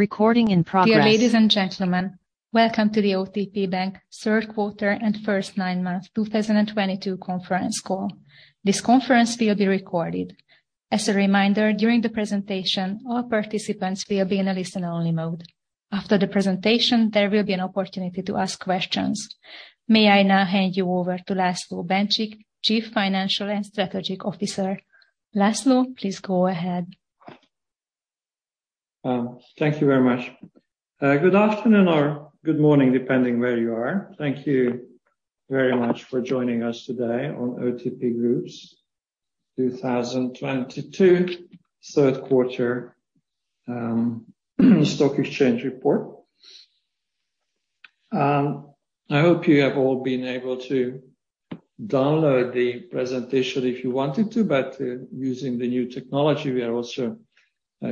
Dear ladies and gentlemen, welcome to the OTP Bank third quarter and first nine months 2022 conference call. This conference will be recorded. As a reminder, during the presentation, all participants will be in a listen only mode. After the presentation, there will be an opportunity to ask questions. May I now hand you over to László Bencsik, Chief Financial and Strategic Officer. László, please go ahead. Thank you very much. Good afternoon or good morning, depending where you are. Thank you very much for joining us today on OTP Group's 2022 Third Quarter Stock Exchange Report. I hope you have all been able to download the presentation if you wanted to, but using the new technology we are also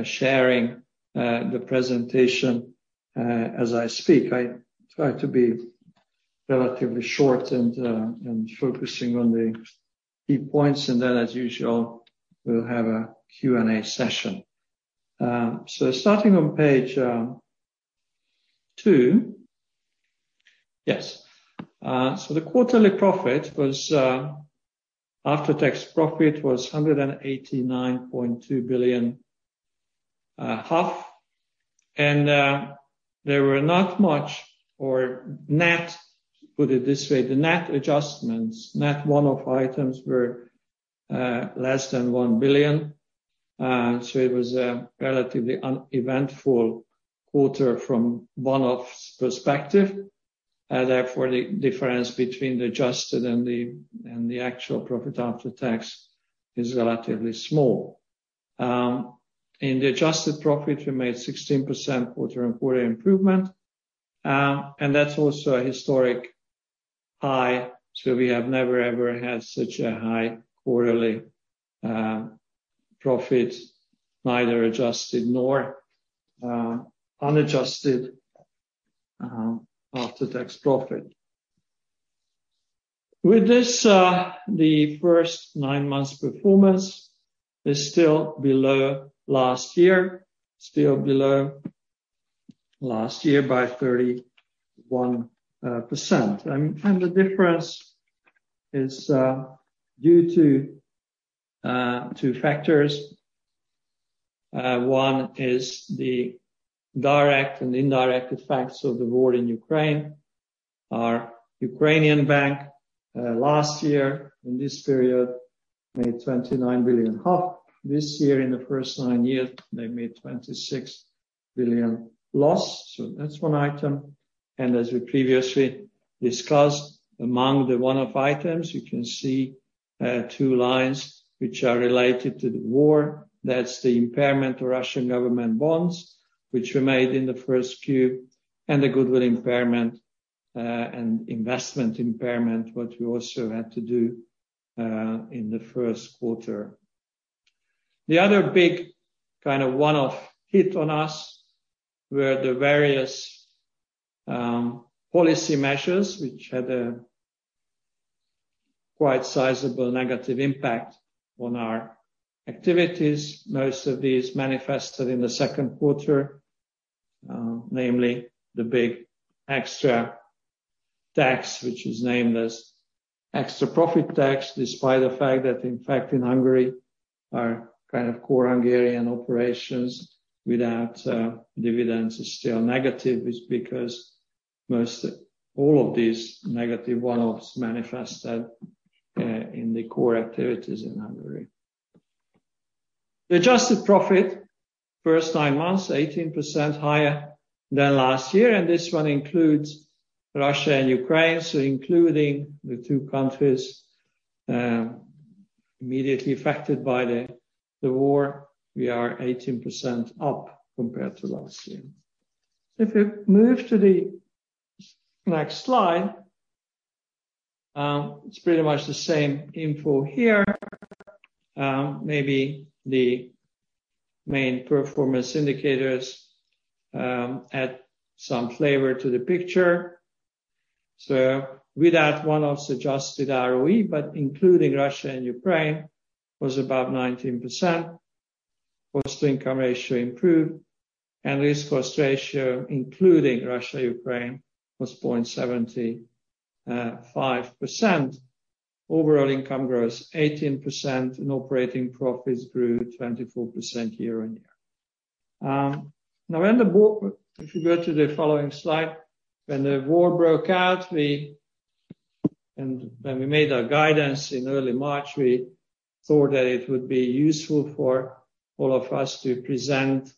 sharing the presentation as I speak. I try to be relatively short and focusing on the key points and then as usual, we'll have a Q&A session. Starting on page two. The quarterly profit after tax was 189.2 billion. Put it this way, the net adjustments, net one-off items were less than 1 billion. It was a relatively uneventful quarter from one-offs perspective, and therefore the difference between the adjusted and the actual profit after tax is relatively small. In the adjusted profit we made 16% quarter-on-quarter improvement, and that's also a historic high. We have never, ever had such a high quarterly profit, neither adjusted nor unadjusted, after tax profit. With this, the first nine months performance is still below last year, still below last year by 31%. The difference is due to two factors. One is the direct and indirect effects of the war in Ukraine. Our Ukrainian bank last year in this period made 29 billion. This year in the first nine year, they made 26 billion loss. That's one item. As we previously discussed, among the one-off items you can see, two lines which are related to the war. That's the impairment of Russian government bonds which were made in the first quarter, and the goodwill impairment, and investment impairment, what we also had to do, in the first quarter. The other big kind of one-off hit on us were the various policy measures which had a quite sizable negative impact on our activities. Most of these manifested in the second quarter. Namely the big extra tax, which is named as extra profit tax, despite the fact that in fact in Hungary our kind of core Hungarian operations without dividends is still negative is because most all of these negative one-offs manifested, in the core activities in Hungary. The adjusted profit first nine months 18% higher than last year, and this one includes Russia and Ukraine, so including the two countries immediately affected by the war we are 18% up compared to last year. If you move to the next slide, it's pretty much the same info here. Maybe the main performance indicators add some flavor to the picture. Without one-offs adjusted ROE, but including Russia and Ukraine was about 19%. Cost to income ratio improved, and risk cost ratio including Russia, Ukraine was 0.75%. Overall income gross 18%, and operating profits grew 24% year-on-year. Now when the war. If you go to the following slide, when the war broke out, we and when we made our guidance in early March, we thought that it would be useful for all of us to present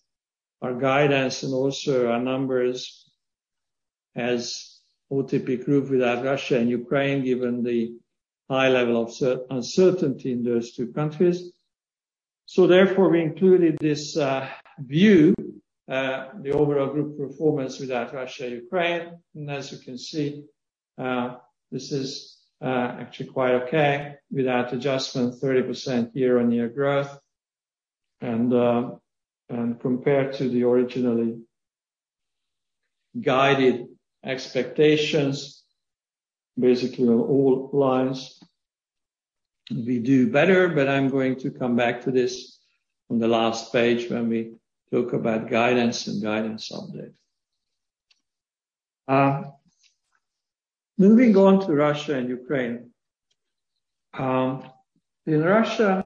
our guidance and also our numbers as OTP Group without Russia and Ukraine, given the high level of uncertainty in those two countries. Therefore, we included this view, the overall group performance without Russia, Ukraine. As you can see, this is actually quite okay without adjustment 30% year-on-year growth. Compared to the originally guided expectations basically on all lines. We do better, but I'm going to come back to this on the last page when we talk about guidance and guidance updates. Moving on to Russia and Ukraine. In Russia,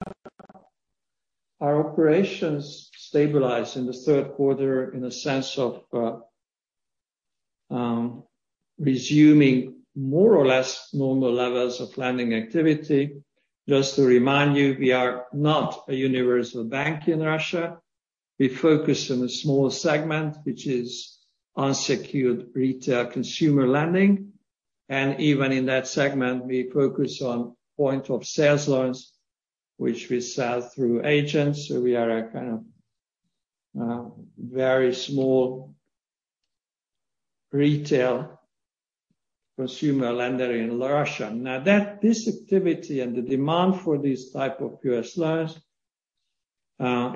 our operations stabilized in the third quarter in a sense of resuming more or less normal levels of lending activity. Just to remind you, we are not a universal bank in Russia. We focus on a small segment, which is unsecured retail consumer lending. Even in that segment, we focus on point-of-sale loans, which we sell through agents. We are a kind of very small retail consumer lender in Russia. Now that this activity and the demand for these type of POS loans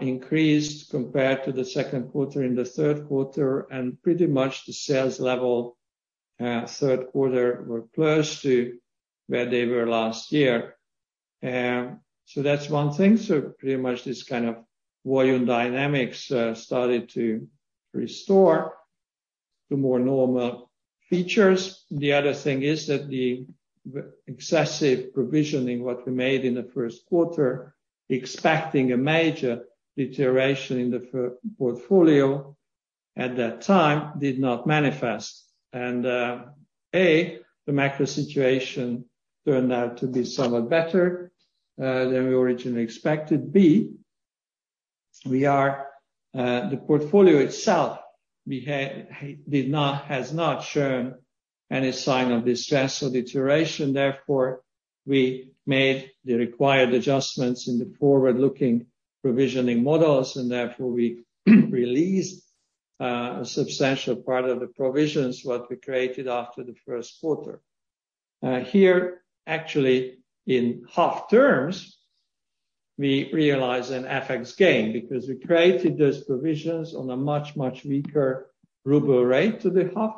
increased compared to the second quarter and the third quarter, and pretty much the sales level third quarter were close to where they were last year. That's one thing. Pretty much this kind of volume dynamics started to restore to more normal features. The other thing is that the excessive provisioning, what we made in the first quarter, expecting a major deterioration in the portfolio at that time, did not manifest. A, the macro situation turned out to be somewhat better than we originally expected. B, the portfolio itself has not shown any sign of distress or deterioration. Therefore, we made the required adjustments in the forward-looking provisioning models, and therefore we released a substantial part of the provisions, what we created after the first quarter. Here, actually, in HUF terms, we realize an FX gain because we created those provisions on a much weaker ruble rate to the HUF,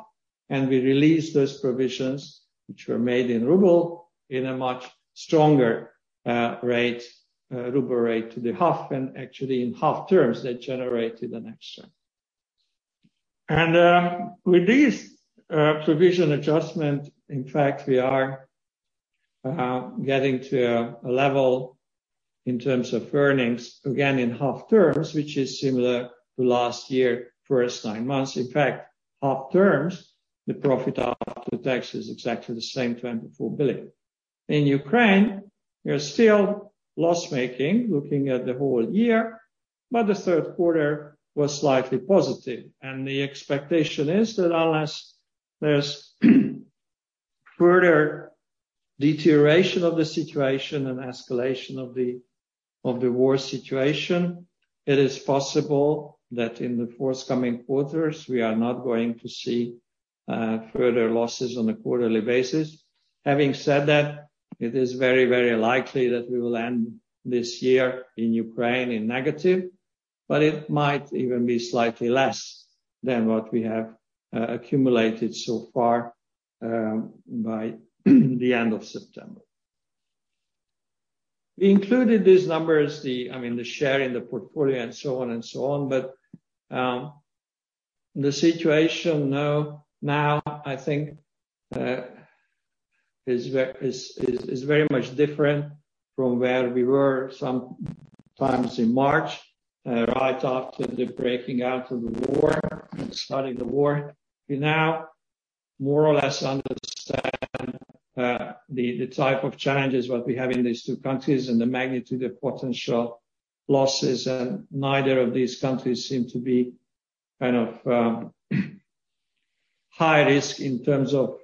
and we released those provisions, which were made in ruble, in a much stronger rate, ruble rate to the HUF, and actually in HUF terms that generated an extra. With this provision adjustment, in fact we are getting to a level in terms of earnings, again in HUF terms, which is similar to last year, first nine months. In fact, HUF terms, the profit after tax is exactly the same, 24 billion. In Ukraine, we're still loss-making looking at the whole year, but the third quarter was slightly positive. The expectation is that unless there's further deterioration of the situation and escalation of the war situation, it is possible that in the forthcoming quarters we are not going to see further losses on a quarterly basis. Having said that, it is very, very likely that we will end this year in Ukraine in negative, but it might even be slightly less than what we have accumulated so far by the end of September. We included these numbers. I mean, the share in the portfolio and so on and so on. The situation now I think is very much different from where we were sometime in March right after the breaking out of the war and starting the war. We now more or less understand the type of challenges what we have in these two countries and the magnitude of potential losses, and neither of these countries seem to be kind of high risk in terms of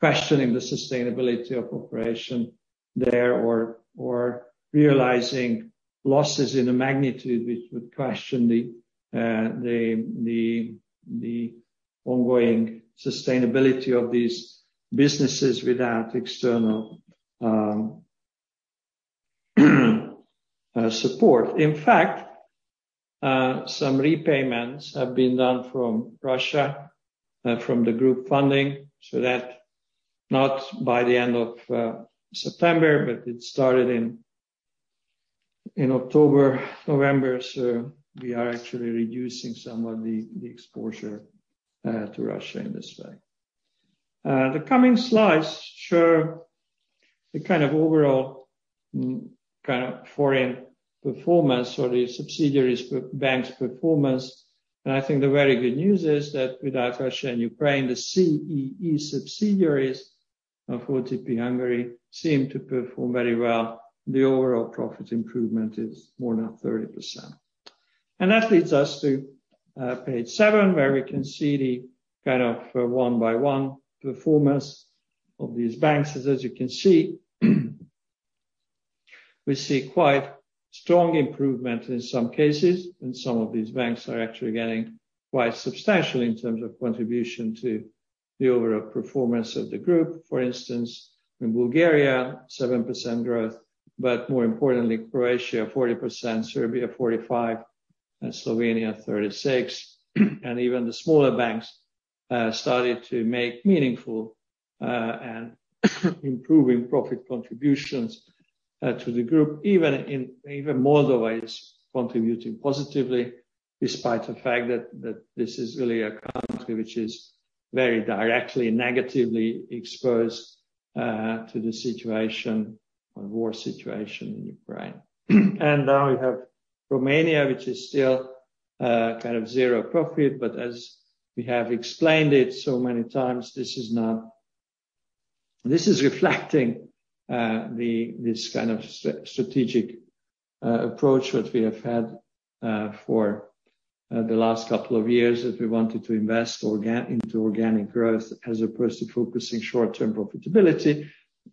questioning the sustainability of operation there or realizing losses in a magnitude which would question the ongoing sustainability of these businesses without external support. In fact, some repayments have been done from Russia from the group funding, so that not by the end of September, but it started in October, November. We are actually reducing some of the exposure to Russia in this way. The coming slides show the kind of overall kind of foreign performance or the subsidiaries bank's performance. I think the very good news is that without Russia and Ukraine, the CEE subsidiaries of OTP Hungary seem to perform very well. The overall profit improvement is more than 30%. That leads us to page seven, where we can see the kind of one-by-one performance of these banks. As you can see, we see quite strong improvement in some cases, and some of these banks are actually getting quite substantial in terms of contribution to the overall performance of the group, for instance, in Bulgaria, 7% growth, but more importantly, Croatia 40%, Serbia 45%, and Slovenia 36%. Even the smaller banks started to make meaningful and improving profit contributions to the group. Even Moldova is contributing positively despite the fact that this is really a country which is very directly negatively exposed to the situation, or war situation in Ukraine. Now we have Romania, which is still kind of zero profit, but as we have explained it so many times, this is not. This is reflecting the this kind of strategic approach that we have had for the last couple of years, that we wanted to invest into organic growth as opposed to focusing short-term profitability.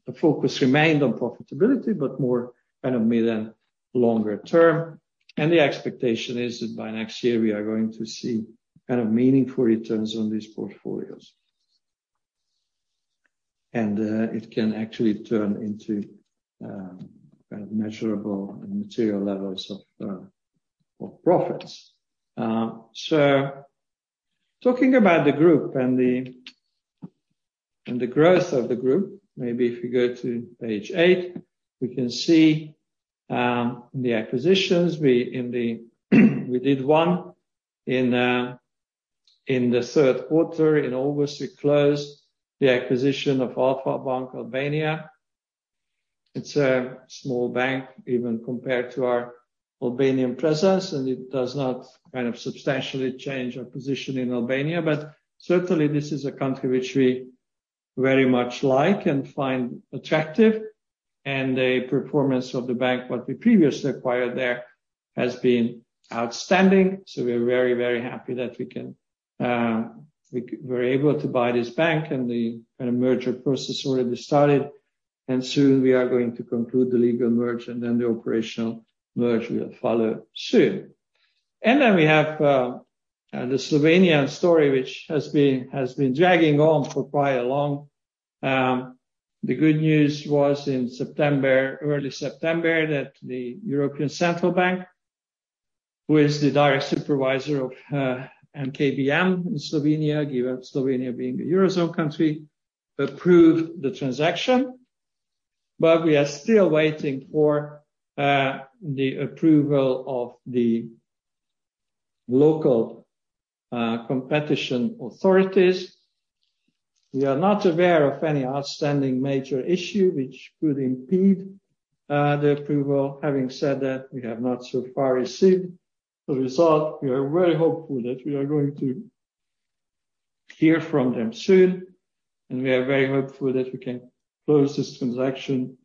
The focus remained on profitability, but more kind of medium longer term. The expectation is that by next year, we are going to see kind of meaningful returns on these portfolios. It can actually turn into kind of measurable and material levels of profits. Talking about the group and the growth of the group, maybe if you go to page eight, we can see the acquisitions. We did one in the third quarter. In August, we closed the acquisition of Alpha Bank Albania. It's a small bank, even compared to our Albanian presence, and it does not kind of substantially change our position in Albania. Certainly this is a country which we very much like and find attractive. The performance of the bank, what we previously acquired there, has been outstanding. We're very, very happy that we're able to buy this bank. The kind of merger process already started, and soon we are going to conclude the legal merge, and then the operational merge will follow soon. We have the Slovenian story, which has been dragging on for quite a long. The good news was in September, early September, that the European Central Bank, who is the direct supervisor of NKBM in Slovenia, given Slovenia being a Eurozone country, approved the transaction. We are still waiting for the approval of the local competition authorities. We are not aware of any outstanding major issue which could impede the approval. Having said that, we have not so far received the result. We are very hopeful that we are going to hear from them soon, and we are very hopeful that we can close this transaction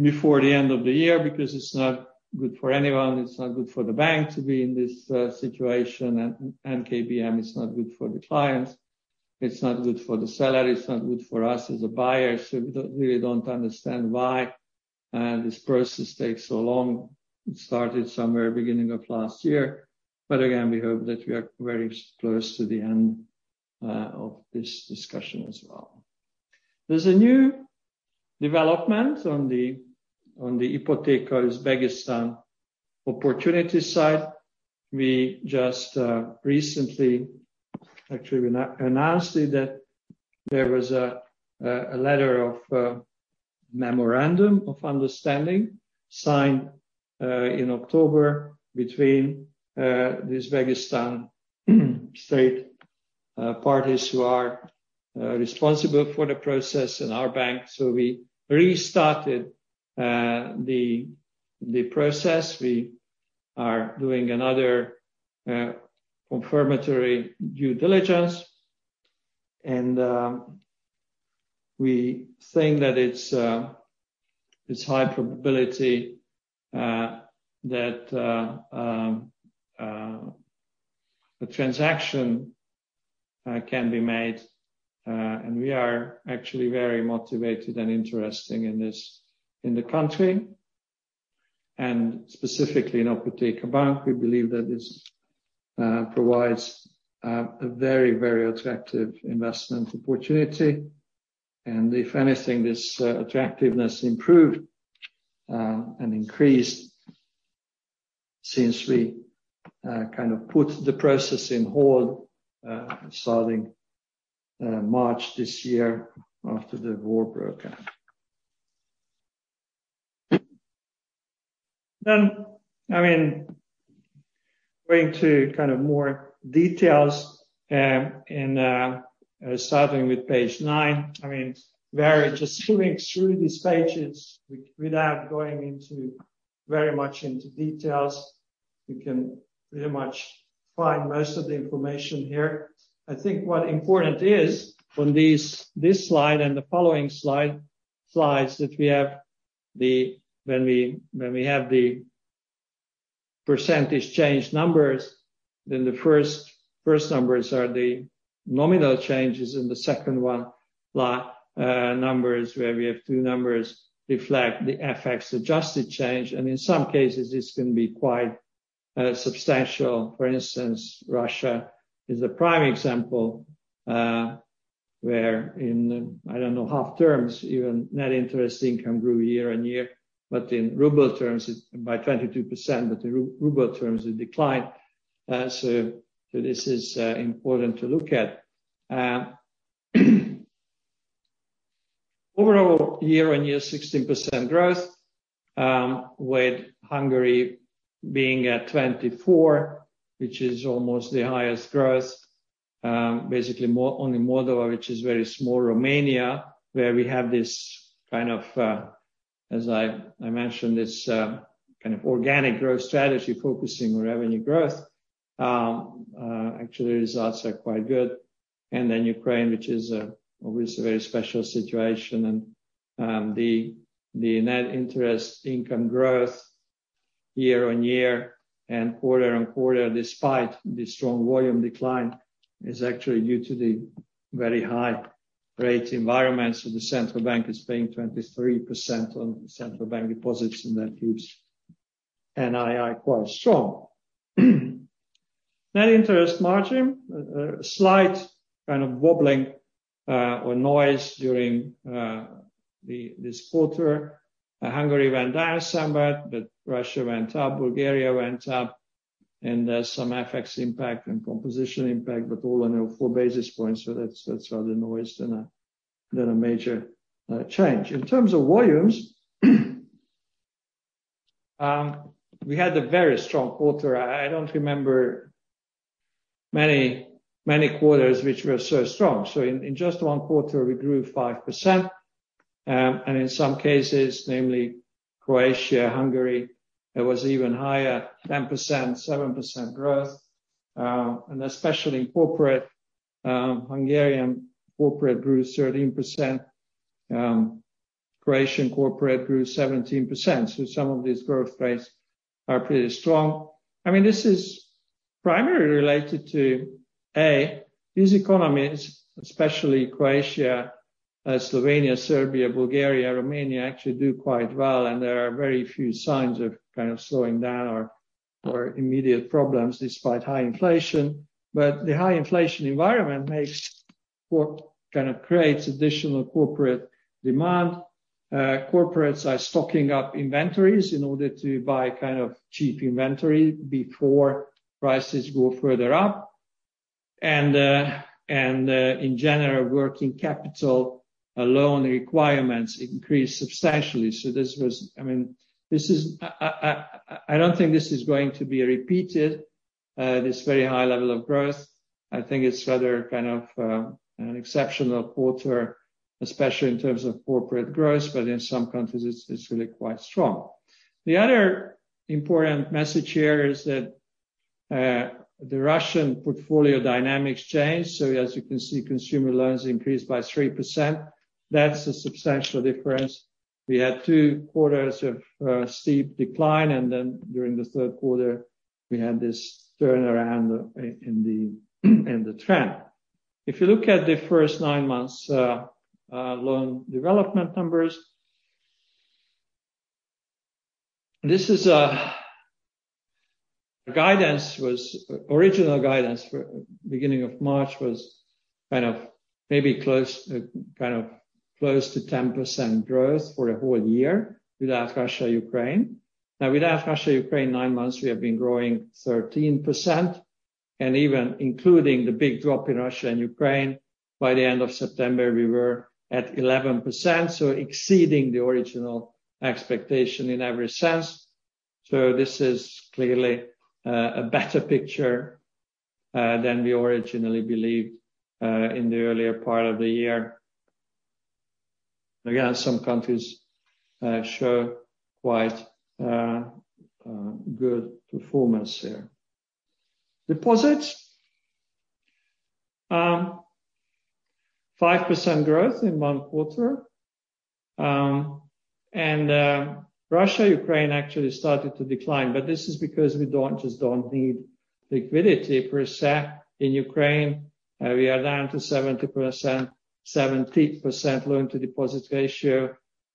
before the end of the year, because it's not good for anyone. It's not good for the bank to be in this situation. NKBM is not good for the clients. It's not good for the seller. It's not good for us as a buyer. We don't understand why this process takes so long. It started somewhere beginning of last year. We hope that we are very close to the end of this discussion as well. There's a new development on the Ipoteka, Uzbekistan opportunity side. We just recently. Actually, we announced it, that there was a memorandum of understanding signed in October between the Uzbekistan state parties who are responsible for the process and our bank. We restarted the process. We are doing another confirmatory due diligence. We think that it's high probability that the transaction can be made. We are actually very motivated and interested in this, in the country and specifically in Ipoteka Bank. We believe that this provides a very, very attractive investment opportunity. If anything, this attractiveness improved and increased since we kind of put the process on hold starting March this year after the war broke out. I mean, going into more details, starting with page nine. I mean, by just skimming through these pages without going into very much into details, you can pretty much find most of the information here. I think what's important is on this slide and the following slides when we have the percentage change numbers, the first numbers are the nominal changes and the second line numbers where the two numbers reflect the FX adjusted change. In some cases, this can be quite substantial. For instance, Russia is a prime example, where in HUF terms even net interest income grew year-on-year, but in ruble terms it declined by 22%. So this is important to look at. Overall year-on-year 16% growth, with Hungary being at 24, which is almost the highest growth. Basically only Moldova, which is very small, Romania. Where we have this kind of, as I mentioned, this kind of organic growth strategy focusing on revenue growth, actually the results are quite good. Then Ukraine, which is always a very special situation. The net interest income growth year-on-year and quarter-on-quarter, despite the strong volume decline, is actually due to the very high rate environment. The central bank is paying 23% on central bank deposits, and that keeps NII quite strong. Net interest margin slight kind of wobbling or noise during this quarter. Hungary went down somewhat, but Russia went up, Bulgaria went up, and some FX impact and composition impact, but all under four basis points. That's rather noise than a major change. In terms of volumes, we had a very strong quarter. I don't remember many quarters which were so strong. In just one quarter we grew 5%. In some cases, namely Croatia, Hungary, it was even higher, 10%, 7% growth. Especially corporate, Hungarian corporate grew 13%, Croatian corporate grew 17%. Some of these growth rates are pretty strong. I mean, this is primarily related to these economies, especially Croatia, Slovenia, Serbia, Bulgaria, Romania actually do quite well and there are very few signs of kind of slowing down or immediate problems despite high inflation. The high inflation environment makes, which kind of creates additional corporate demand. Corporates are stocking up inventories in order to buy kind of cheap inventory before prices go further up. In general, working capital loan requirements increased substantially. I mean, this is. I don't think this is going to be repeated this very high level of growth. I think it's rather kind of an exceptional quarter, especially in terms of corporate growth, but in some countries it's really quite strong. The other important message here is that the Russian portfolio dynamics changed. As you can see, consumer loans increased by 3%. That's a substantial difference. We had two quarters of steep decline, and then during the third quarter we had this turnaround in the trend. If you look at the first nine months loan development numbers, the original guidance for beginning of March was kind of close to 10% growth for a whole year without Russia, Ukraine. Now, without Russia, Ukraine, nine months we have been growing 13%, and even including the big drop in Russia and Ukraine, by the end of September we were at 11%, so exceeding the original expectation in every sense. This is clearly a better picture than we originally believed in the earlier part of the year. Again, some countries show quite good performance here. Deposits. 5% growth in one quarter. Russia, Ukraine actually started to decline, but this is because we just don't need liquidity per se in Ukraine. We are down to 70% loan to deposit ratio,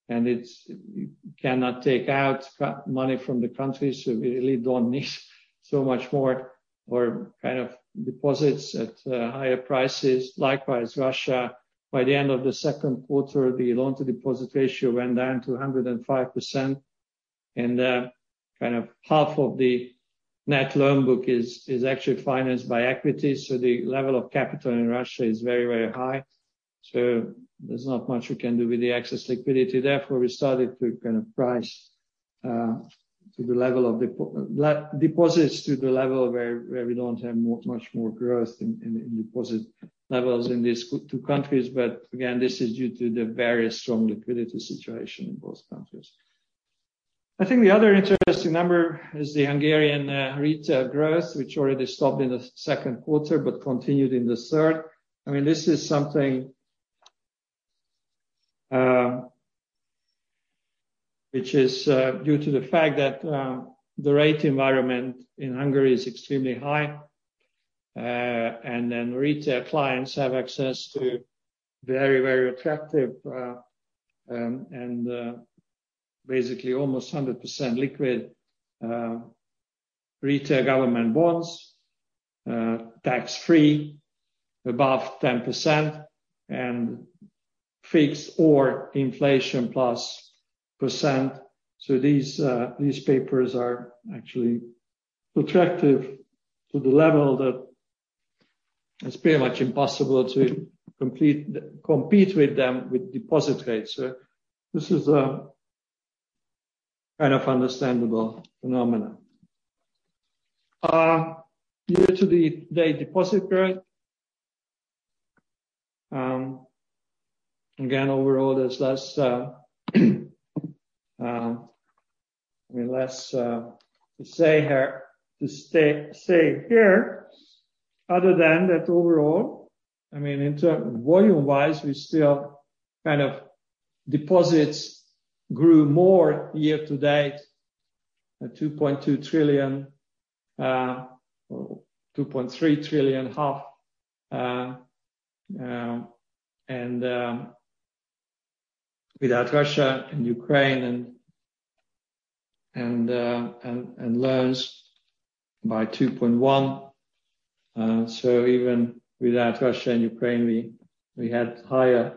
and it's you cannot take out cash from the country, so we really don't need so much more or kind of deposits at higher prices. Likewise, Russia, by the end of the second quarter, the loan to deposit ratio went down to 105%. Kind of half of the net loan book is actually financed by equity, so the level of capital in Russia is very, very high. There's not much we can do with the excess liquidity. Therefore, we started to kind of price to the level of deposits to the level where we don't have much more growth in deposit levels in these two countries. Again, this is due to the very strong liquidity situation in both countries. I think the other interesting number is the Hungarian retail growth, which already stopped in the second quarter but continued in the third. I mean, this is something which is due to the fact that the rate environment in Hungary is extremely high. Retail clients have access to very, very attractive and basically almost 100% liquid retail government bonds, tax-free above 10% and fixed or inflation plus %. These papers are actually attractive to the level that it's pretty much impossible to compete with them with deposit rates. This is a kind of understandable phenomenon. Year-to-date deposit growth. Again, overall there's less, I mean, less to say here, other than that overall, I mean, volume-wise, deposits grew more year-to-date, 2.2 trillion, or 2.3 trillion. Without Russia and Ukraine, loans by 2.1 trillion. Even without Russia and Ukraine, we had higher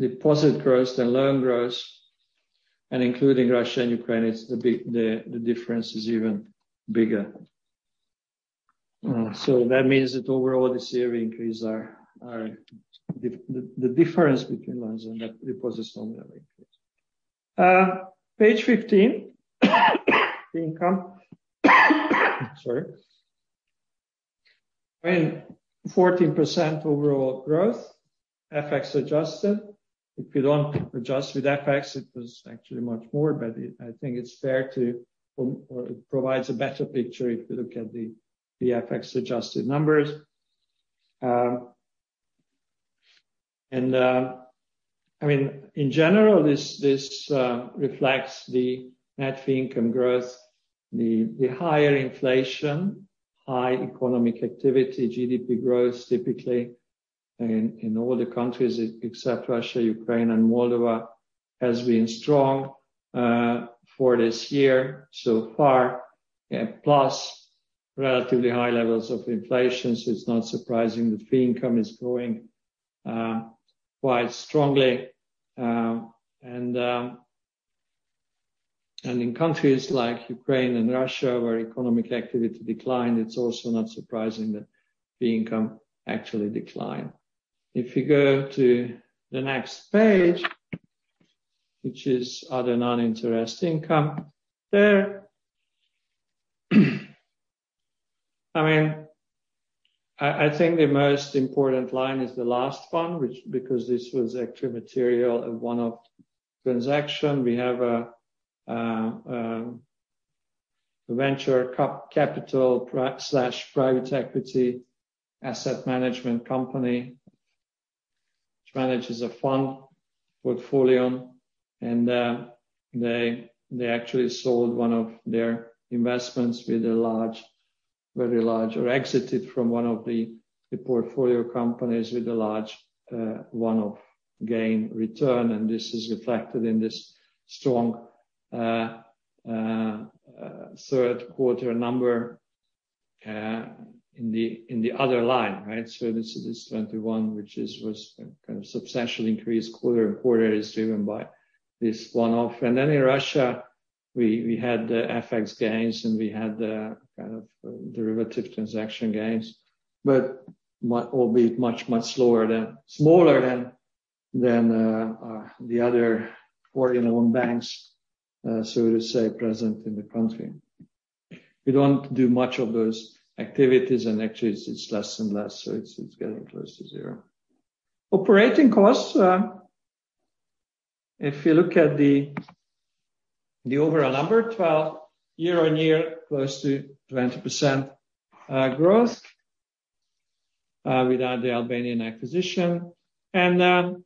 deposit growth than loan growth. Including Russia and Ukraine, the difference is even bigger. That means that overall this year we increase our difference between loans and deposits only increase. Page 15, the income. Sorry. I mean, 14% overall growth, FX adjusted. If you don't adjust with FX, it was actually much more, but I think it's fair to or it provides a better picture if you look at the FX adjusted numbers. I mean, in general, this reflects the net fee income growth, the higher inflation, high economic activity. GDP growth typically in all the countries except Russia, Ukraine and Moldova has been strong for this year so far, plus relatively high levels of inflation. It's not surprising that fee income is growing quite strongly. In countries like Ukraine and Russia where economic activity declined, it's also not surprising that the income actually declined. If you go to the next page, which is other non-interest income, there, I mean, I think the most important line is the last one, which, because this was actually material, a one-off transaction. We have a venture capital/private equity asset management company which manages a fund portfolio. They actually sold one of their investments with a large, very large or exited from one of the portfolio companies with a large one-off gain return. This is reflected in this strong third quarter number in the other line, right? This is this 21, which was kind of substantially increased quarter-on-quarter is driven by this one-off. In Russia, we had the FX gains and we had the kind of derivative transaction gains, but albeit much smaller than the other foreign-owned banks, so to say, present in the country. We don't do much of those activities and actually it's less and less, so it's getting close to zero. Operating costs, if you look at the overall number, 12% year-on-year close to 20% growth, without the Albanian acquisition. I mean,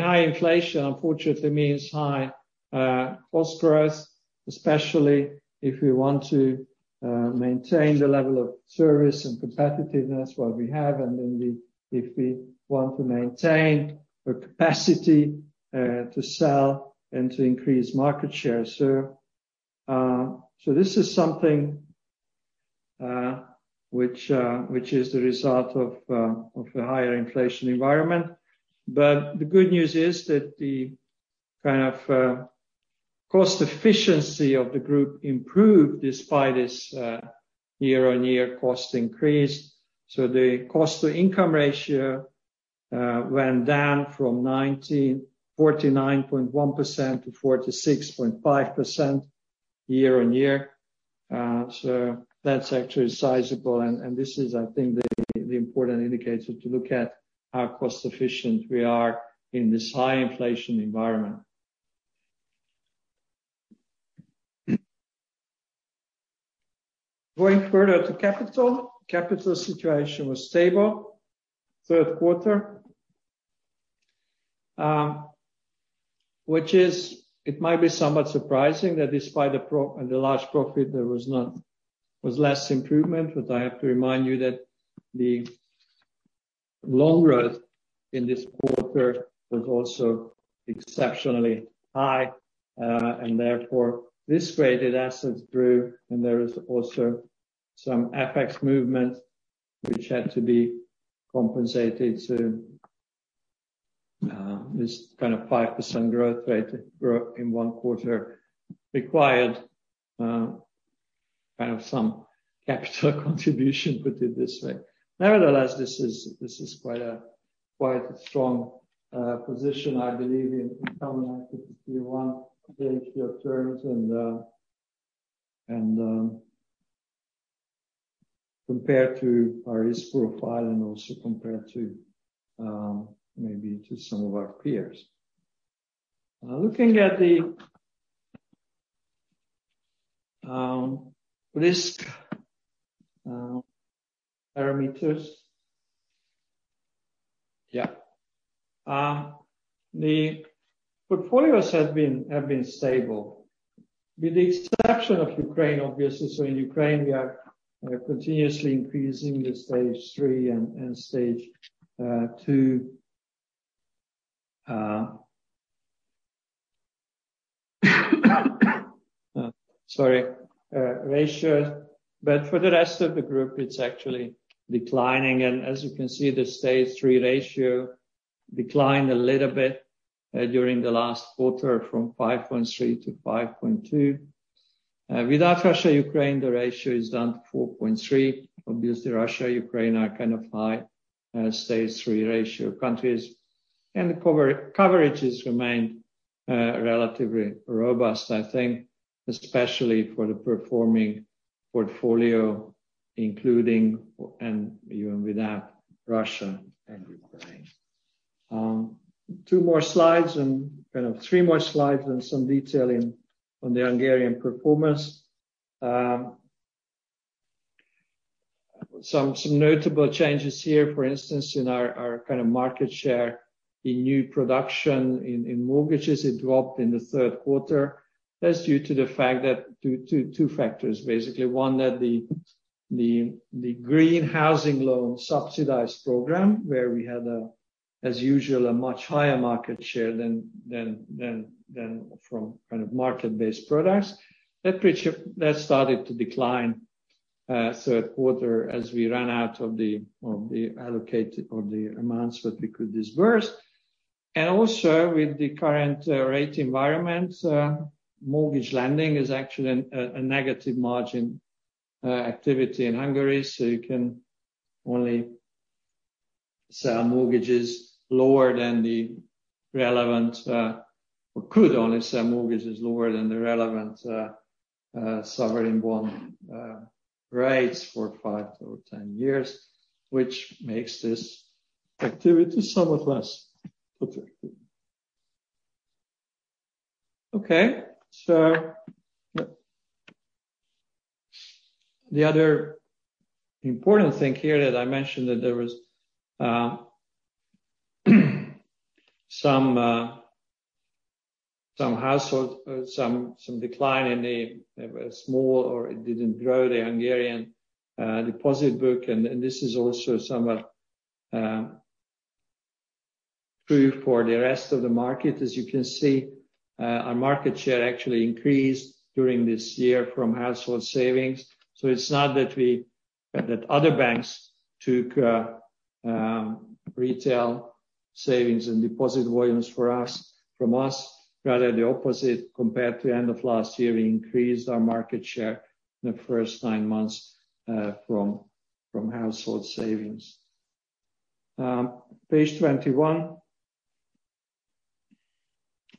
high inflation unfortunately means high cost growth, especially if we want to maintain the level of service and competitiveness what we have, if we want to maintain the capacity to sell and to increase market share. This is something which is the result of a higher inflation environment. The good news is that the kind of cost efficiency of the group improved despite this year-on-year cost increase. The cost to income ratio went down from 49.1%-46.5% year-on-year. That's actually sizable and this is I think the important indicator to look at how cost efficient we are in this high inflation environment. Going further to capital. Capital situation was stable third quarter. Which is, it might be somewhat surprising that despite the large profit, there was less improvement. I have to remind you that the loan growth in this quarter was also exceptionally high, and therefore this weighted assets grew, and there is also some FX movement which had to be compensated. This kind of 5% growth rate in one quarter required kind of some capital contribution, put it this way. Nevertheless, this is quite a strong position, I believe in CET1 terms and compared to our risk profile and also compared to maybe to some of our peers. Looking at the risk parameters. The portfolios have been stable with the exception of Ukraine, obviously. In Ukraine we are continuously increasing the stage three and stage two ratio. For the rest of the group it's actually declining. As you can see, the stage three ratio declined a little bit during the last quarter from 5.3-5.2. Without Russia, Ukraine, the ratio is down to 4.3. Obviously Russia, Ukraine are kind of high stage three ratio countries. The coverage has remained relatively robust, I think, especially for the performing portfolio, including and even without Russia and Ukraine. Two more slides and kind of three more slides and some detail on the Hungarian performance. Some notable changes here. For instance, in our kind of market share in new production in mortgages, it dropped in the third quarter. That's due to two factors, basically. One, that the Green Home Programme loan, where we had, as usual, a much higher market share than from kind of market-based products. That started to decline, third quarter as we ran out of the allocated or the amounts that we could disburse. Also with the current rate environment, mortgage lending is actually a negative margin activity in Hungary, so you could only sell mortgages lower than the relevant sovereign bond rates for five to over 10 years, which makes this activity somewhat less attractive. Okay. The other important thing here that I mentioned that there was some household decline, or it didn't grow the Hungarian deposit book, and this is also somewhat true for the rest of the market. As you can see, our market share actually increased during this year from household savings. It's not that other banks took retail savings and deposit volumes from us. Rather the opposite compared to end of last year, we increased our market share in the first 9 months from household savings. Page 21.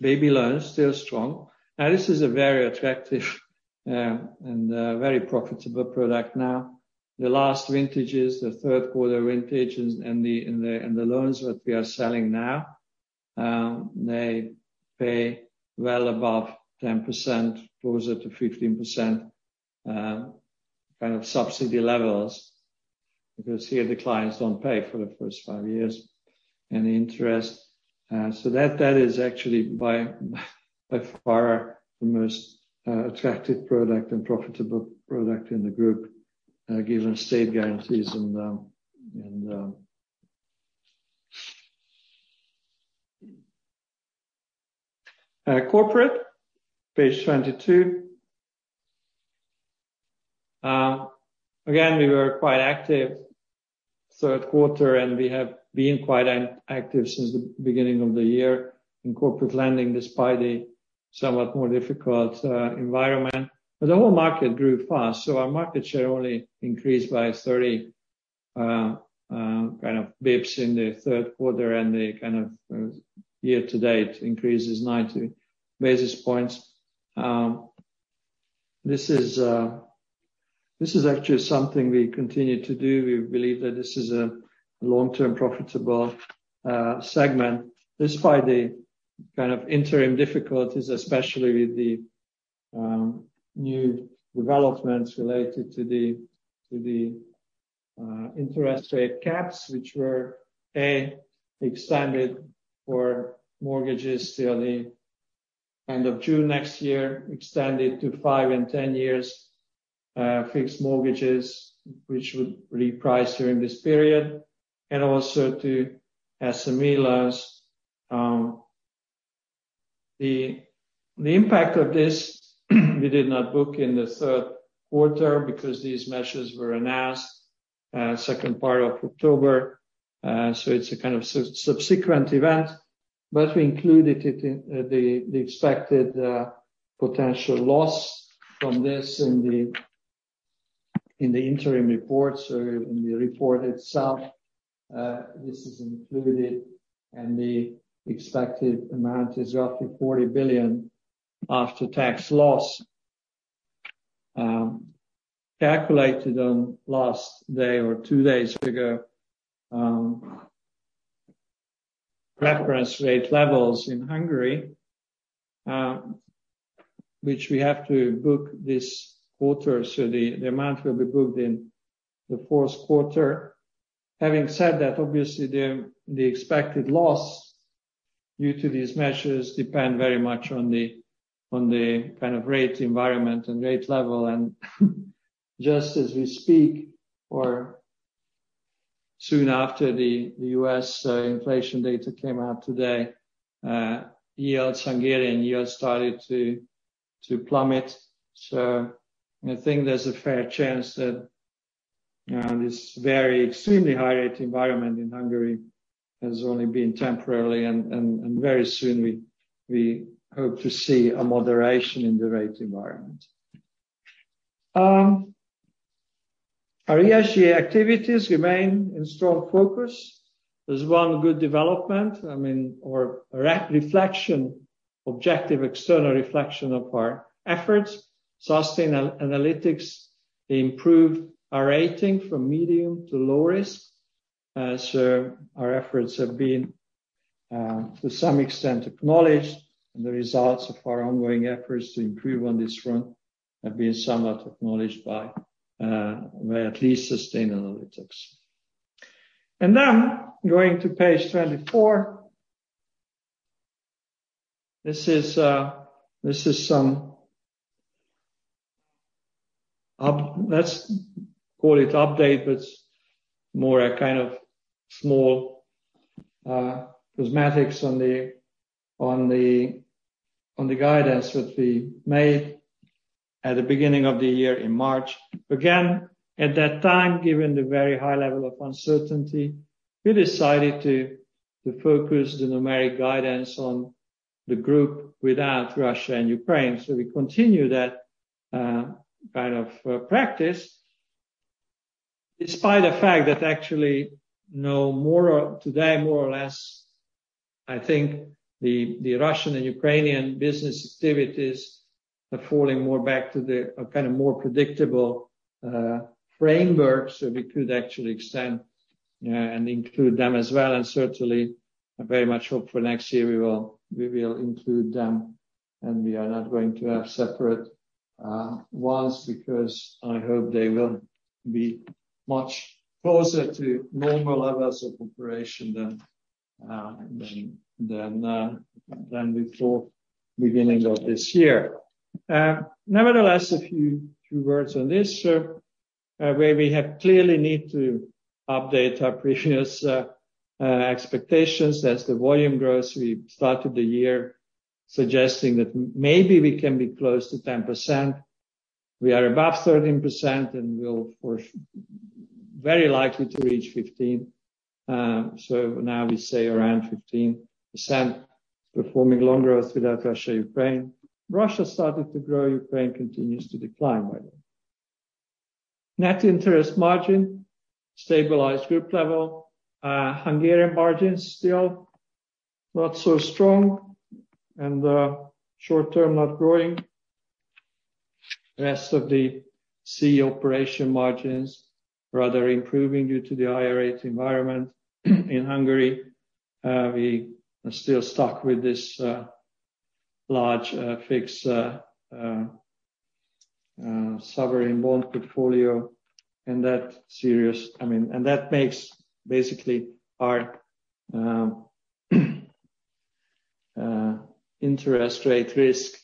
baby loans still strong. Now, this is a very attractive and very profitable product now. The last vintages, the third quarter vintage and the loans that we are selling now, they pay well above 10%, closer to 15%, kind of subsidy levels. Because here the clients don't pay for the first five years any interest. So that is actually by far the most attractive product and profitable product in the group, given state guarantees and. Corporate, page 22. Again, we were quite active third quarter, and we have been quite active since the beginning of the year in corporate lending, despite the somewhat more difficult environment. The whole market grew fast, so our market share only increased by 30 basis points in the third quarter and the year-to-date increase is 90 basis points. This is actually something we continue to do. We believe that this is a long-term profitable segment despite the kind of interim difficulties, especially with new developments related to the interest rate caps, which were extended for mortgages till the end of June next year, extended to five and 10 years fixed mortgages, which would reprice during this period, and also to SME loans. The impact of this we did not book in the third quarter because these measures were announced second part of October. It's a kind of subsequent event, but we included it in the expected potential loss from this in the interim report. In the report itself, this is included and the expected amount is roughly 40 billion after tax loss, calculated on last day or two days figure, reference rate levels in Hungary, which we have to book this quarter, so the amount will be booked in the fourth quarter. Having said that, obviously the expected loss due to these measures depend very much on the kind of rate environment and rate level and just as we speak or soon after the U.S. inflation data came out today, Hungarian yields started to plummet. I think there's a fair chance that this very extremely high rate environment in Hungary has only been temporarily and very soon we hope to see a moderation in the rate environment. Our ESG activities remain in strong focus. There's one good development, I mean, or objective external reflection of our efforts. Sustainalytics, they improved our rating from medium to low risk. So our efforts have been to some extent acknowledged, and the results of our ongoing efforts to improve on this front have been somewhat acknowledged by at least Sustainalytics. Then going to page 24. This is some update, but more a kind of small cosmetics on the guidance that we made at the beginning of the year in March. Again, at that time, given the very high level of uncertainty, we decided to focus the numeric guidance on the group without Russia and Ukraine. We continue that kind of practice despite the fact that actually no more today more or less, I think the Russian and Ukrainian business activities are falling more back to a kind of more predictable framework, so we could actually extend and include them as well and certainly I very much hope for next year we will include them, and we are not going to have separate ones because I hope they will be much closer to normal levels of operation than we thought beginning of this year. Nevertheless, a few words on this. Where we have clearly need to update our previous expectations as the volume grows. We started the year suggesting that maybe we can be close to 10%. We are above 13% and we'll push very likely to reach 15%. Now we say around 15% performing loan growth without Russia, Ukraine. Russia started to grow, Ukraine continues to decline. Net interest margin stabilized group level. Hungarian margins still not so strong and short-term not growing. Rest of the CEE operation margins rather improving due to the higher rate environment in Hungary. We are still stuck with this large fixed sovereign bond portfolio, I mean, and that makes basically our interest rate risk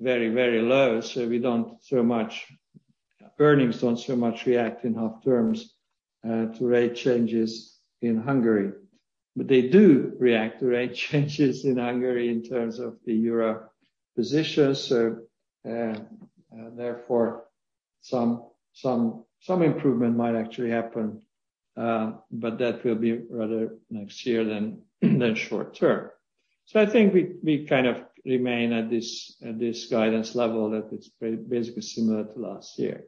very, very low, so earnings don't so much react in HUF terms to rate changes in Hungary. They do react to rate changes in Hungary in terms of the euro position. Therefore some improvement might actually happen, but that will be rather next year than short-term. I think we kind of remain at this guidance level that it's basically similar to last year.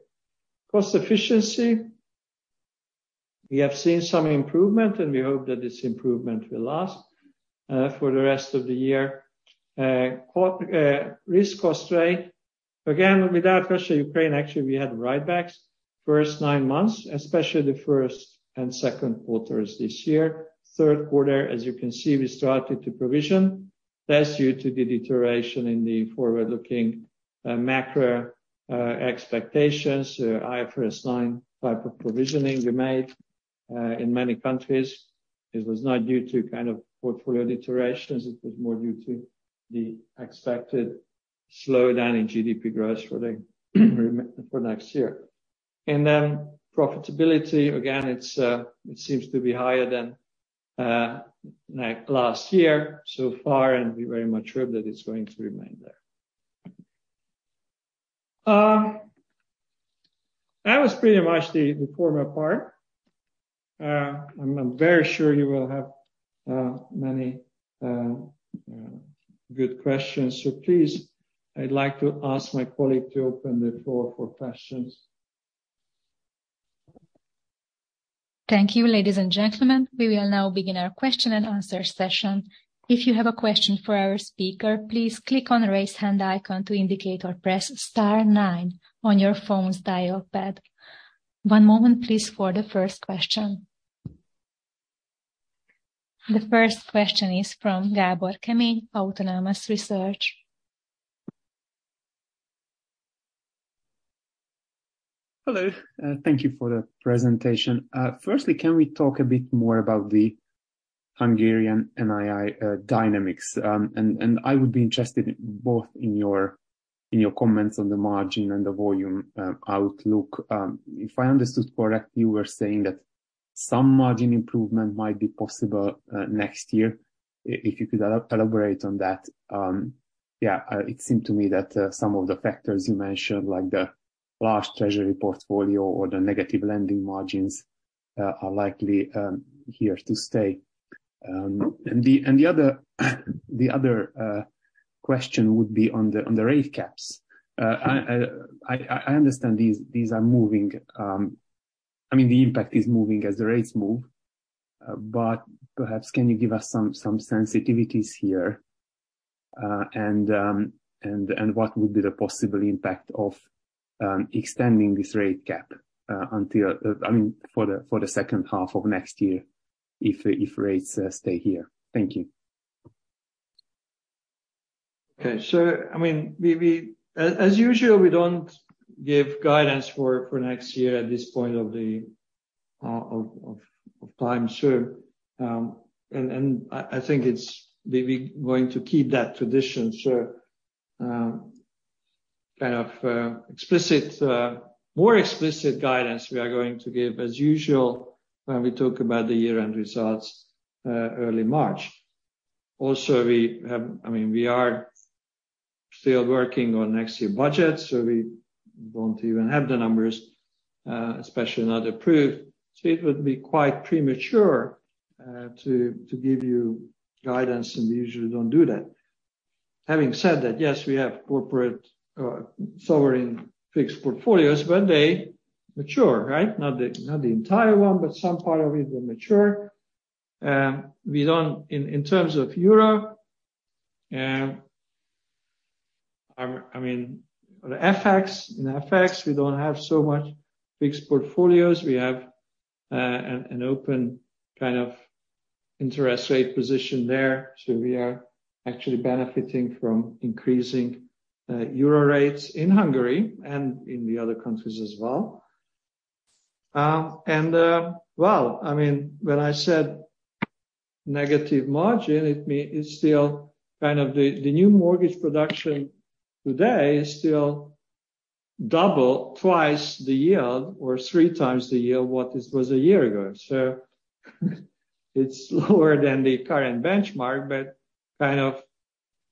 Cost efficiency, we have seen some improvement and we hope that this improvement will last for the rest of the year. Risk cost rate. Again, without Russia, Ukraine, actually we had write backs. First nine months, especially the first and second quarters this year. Third quarter, as you can see, we started to provision. That's due to the deterioration in the forward-looking macro expectations, IFRS 9 type of provisioning we made in many countries. It was not due to kind of portfolio deterioration, it was more due to the expected slowdown in GDP growth for next year. Profitability, again, it seems to be higher than like last year so far, and we're very much sure that it's going to remain there. That was pretty much the formal part. I'm very sure you will have many good questions. Please, I'd like to ask my colleague to open the floor for questions. Thank you. Ladies and gentlemen, we will now begin our question and answer session. If you have a question for our speaker, please click on the Raise Hand icon to indicate, or press star nine on your phone's dial pad. One moment please for the first question. The first question is from Gabor Kemeny, Autonomous Research. Hello, thank you for the presentation. Firstly, can we talk a bit more about the Hungarian NII dynamics? I would be interested both in your comments on the margin and the volume outlook. If I understood correctly, you were saying that some margin improvement might be possible next year. If you could elaborate on that. Yeah, it seemed to me that some of the factors you mentioned, like the large treasury portfolio or the negative lending margins, are likely here to stay. The other question would be on the rate caps. I understand these are moving, I mean, the impact is moving as the rates move, but perhaps can you give us some sensitivities here, and what would be the possible impact of extending this rate cap until, I mean, for the second half of next year if rates stay here? Thank you. Okay. I mean, as usual, we don't give guidance for next year at this point in time. I think we going to keep that tradition. More explicit guidance we are going to give as usual when we talk about the year-end results early March. Also we have. I mean, we are still working on next year's budget, so we won't even have the numbers, especially not approved. It would be quite premature to give you guidance, and we usually don't do that. Having said that, yes, we have corporate and sovereign fixed portfolios when they mature, right? Not the entire one, but some part of it will mature. In terms of euro, I mean, on the FX, in FX, we don't have so much fixed portfolios. We have an open kind of interest rate position there. We are actually benefiting from increasing euro rates in Hungary and in the other countries as well. Well, I mean, when I said negative margin, it means it's still kind of the new mortgage production today is still twice the yield or 3x the yield what it was a year ago. It's lower than the current benchmark, but kind of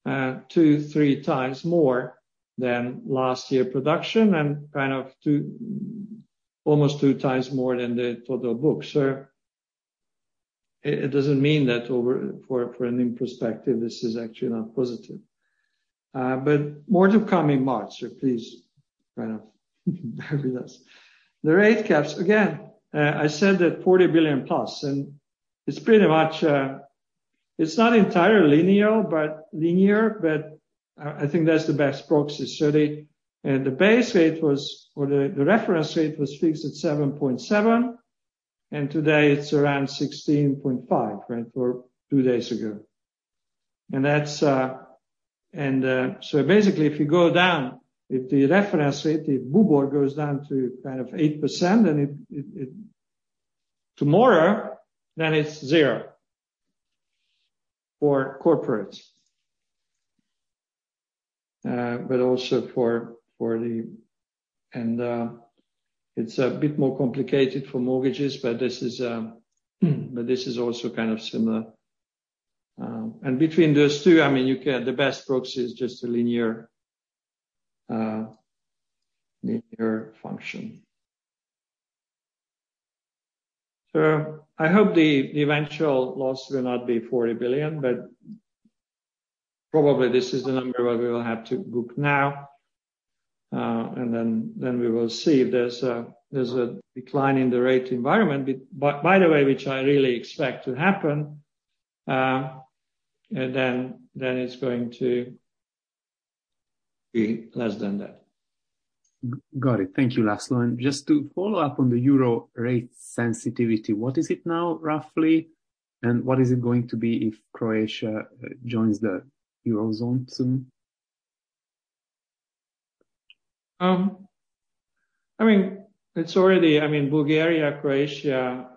2x-3x more than last year production and kind of almost 2x more than the total book. It doesn't mean that for a new perspective, this is actually not positive. More to come in March, so please kind of bear with us. The rate caps, again, I said that 40 billion plus, and it's pretty much, it's not entirely linear, but I think that's the best proxy study. The base rate was or the reference rate was fixed at 7.7%, and today it's around 16.5%, right? For two days ago. That's so basically if you go down, if the reference rate, if BUBOR goes down to kind of 8% and it tomorrow, then it's zero for corporates. But also for the. It's a bit more complicated for mortgages, but this is but this is also kind of similar. Between those two, I mean, the best proxy is just a linear function. I hope the eventual loss will not be 40 billion, but probably this is the number where we will have to book now, and then we will see if there's a decline in the rate environment. By the way, which I really expect to happen, and then it's going to be less than that. Got it. Thank you, László. Just to follow up on the euro rate sensitivity, what is it now, roughly, and what is it going to be if Croatia joins the Eurozone soon? I mean, it's already. I mean, Bulgaria, Croatia,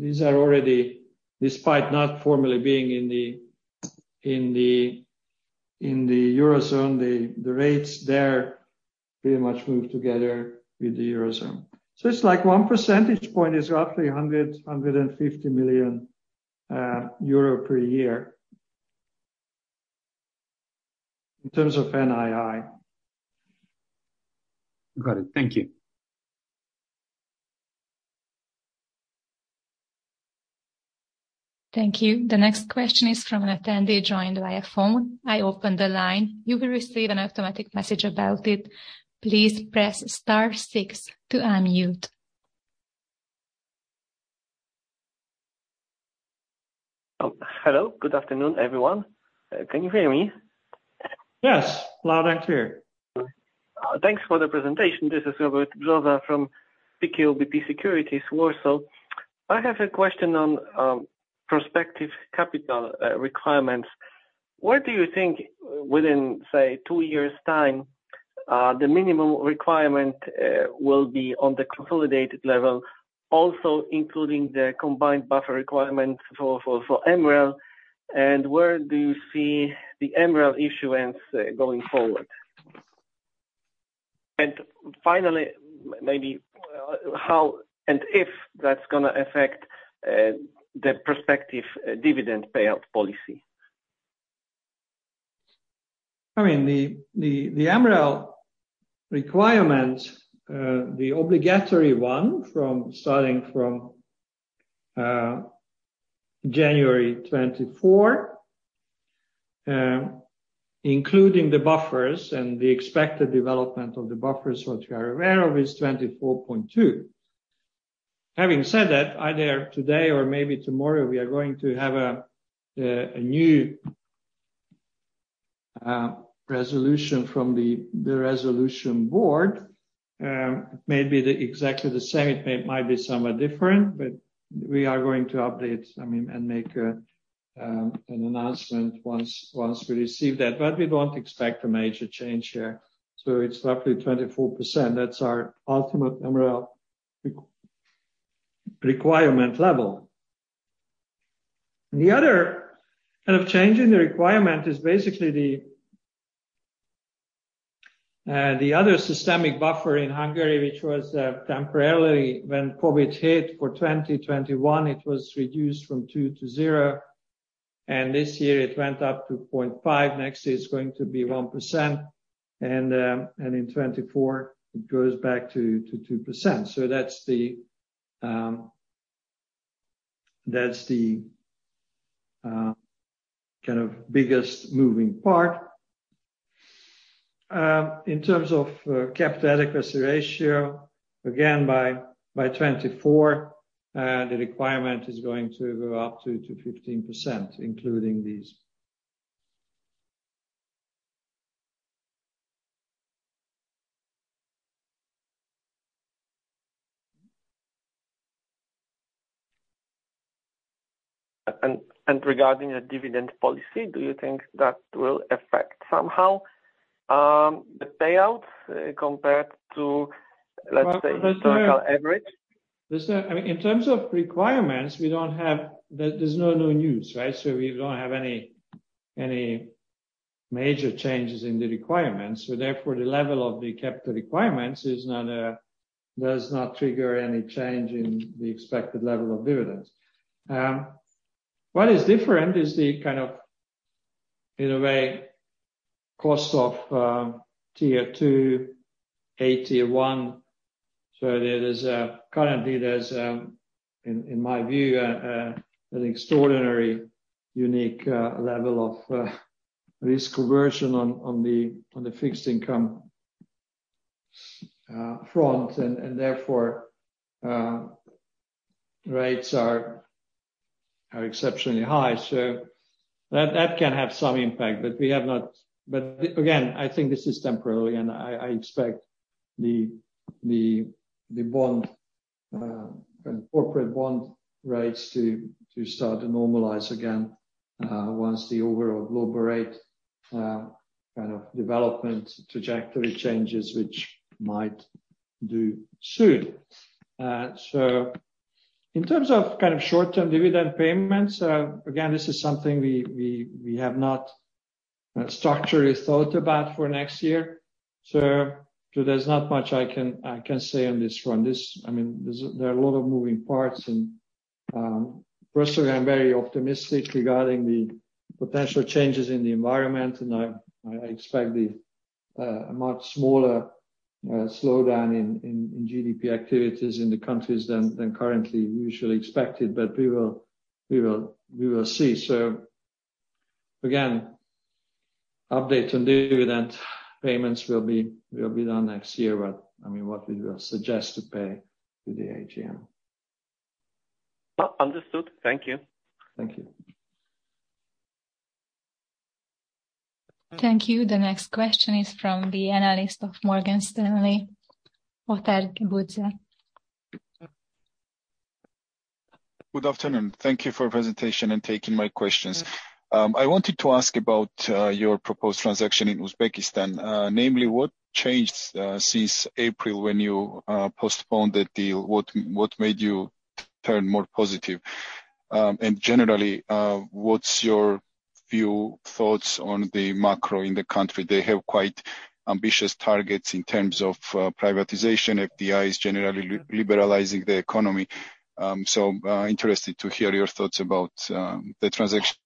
these are already, despite not formally being in the Eurozone, the rates there pretty much move together with the Eurozone. It's like 1 percentage point is roughly 100 million-150 million euro per year in terms of NII. Got it. Thank you. Thank you. The next question is from an attendee joined via phone. I open the line. You will receive an automatic message about it. Please press star six to unmute. Oh, hello. Good afternoon, everyone. Can you hear me? Yes. Loud and clear. Thanks for the presentation. This is Robert Brzoza from PKO BP Securities, Warsaw. I have a question on prospective capital requirements. Where do you think within, say, two years' time the minimum requirement will be on the consolidated level, also including the combined buffer requirements for MREL? And where do you see the MREL issuance going forward? And finally, maybe how and if that's gonna affect the prospective dividend payout policy. I mean, the MREL requirement, the obligatory one starting from January 2024, including the buffers and the expected development of the buffers, what you are aware of is 24.2%. Having said that, either today or maybe tomorrow, we are going to have a new resolution from the resolution board. It may be exactly the same, it might be somewhat different, but we are going to update, I mean, and make an announcement once we receive that. We don't expect a major change here, so it's roughly 24%. That's our ultimate MREL requirement level. The other kind of change in the requirement is basically the other systemic buffer in Hungary, which was temporarily when COVID hit for 2021, it was reduced from 2%-0%, and this year it went up to 0.5%. Next year, it's going to be 1%, and in 2024, it goes back to 2%. That's the kind of biggest moving part. In terms of capital adequacy ratio, again, by 2024, the requirement is going to go up to 15%, including these. Regarding the dividend policy, do you think that will affect somehow the payouts, compared to, let's say? Well, there's no. Historical average? I mean, in terms of requirements, there's no new news, right? We don't have any major changes in the requirements. Therefore, the level of the capital requirements does not trigger any change in the expected level of dividends. What is different is the kind of, in a way, cost of Tier two, AT1. There's currently, in my view, an extraordinary unique level of risk aversion on the fixed income front, and therefore rates are exceptionally high. That can have some impact. I think this is temporarily, and I expect the bond and corporate bond rates to start to normalize again once the overall global rate kind of development trajectory changes, which might do soon. In terms of kind of short-term dividend payments, again, this is something we have not structurally thought about for next year, so there's not much I can say on this front. I mean, there are a lot of moving parts and, personally, I'm very optimistic regarding the potential changes in the environment, and I expect a much smaller slowdown in GDP activities in the countries than currently usually expected. We will see. Again, updates on dividend payments will be done next year. I mean, what we will suggest to pay to the AGM. Oh, understood. Thank you. Thank you. Thank you. The next question is from the analyst of Morgan Stanley, Otto Szilagyi. Good afternoon. Thank you for presentation and taking my questions. I wanted to ask about your proposed transaction in Uzbekistan. Namely, what changed since April when you postponed the deal? What made you turn more positive? Generally, what's your view, thoughts on the macro in the country? They have quite ambitious targets in terms of privatization. FDI is generally liberalizing the economy. Interested to hear your thoughts about the transaction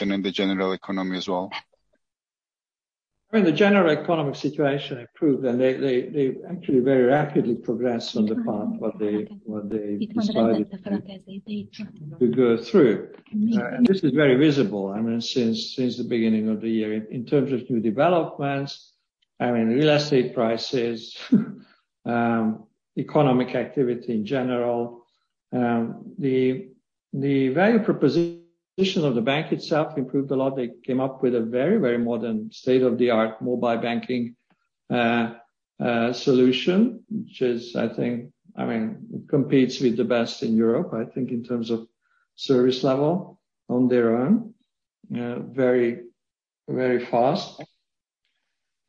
and the general economy as well. I mean, the general economic situation improved, and they actually very rapidly progressed on the path what they decided to go through. This is very visible, I mean, since the beginning of the year in terms of new developments, I mean real estate prices, economic activity in general. The value proposition of the bank itself improved a lot. They came up with a very, very modern state-of-the-art mobile banking solution, which is, I think, I mean, competes with the best in Europe, I think in terms of service level on their own. Very, very fast.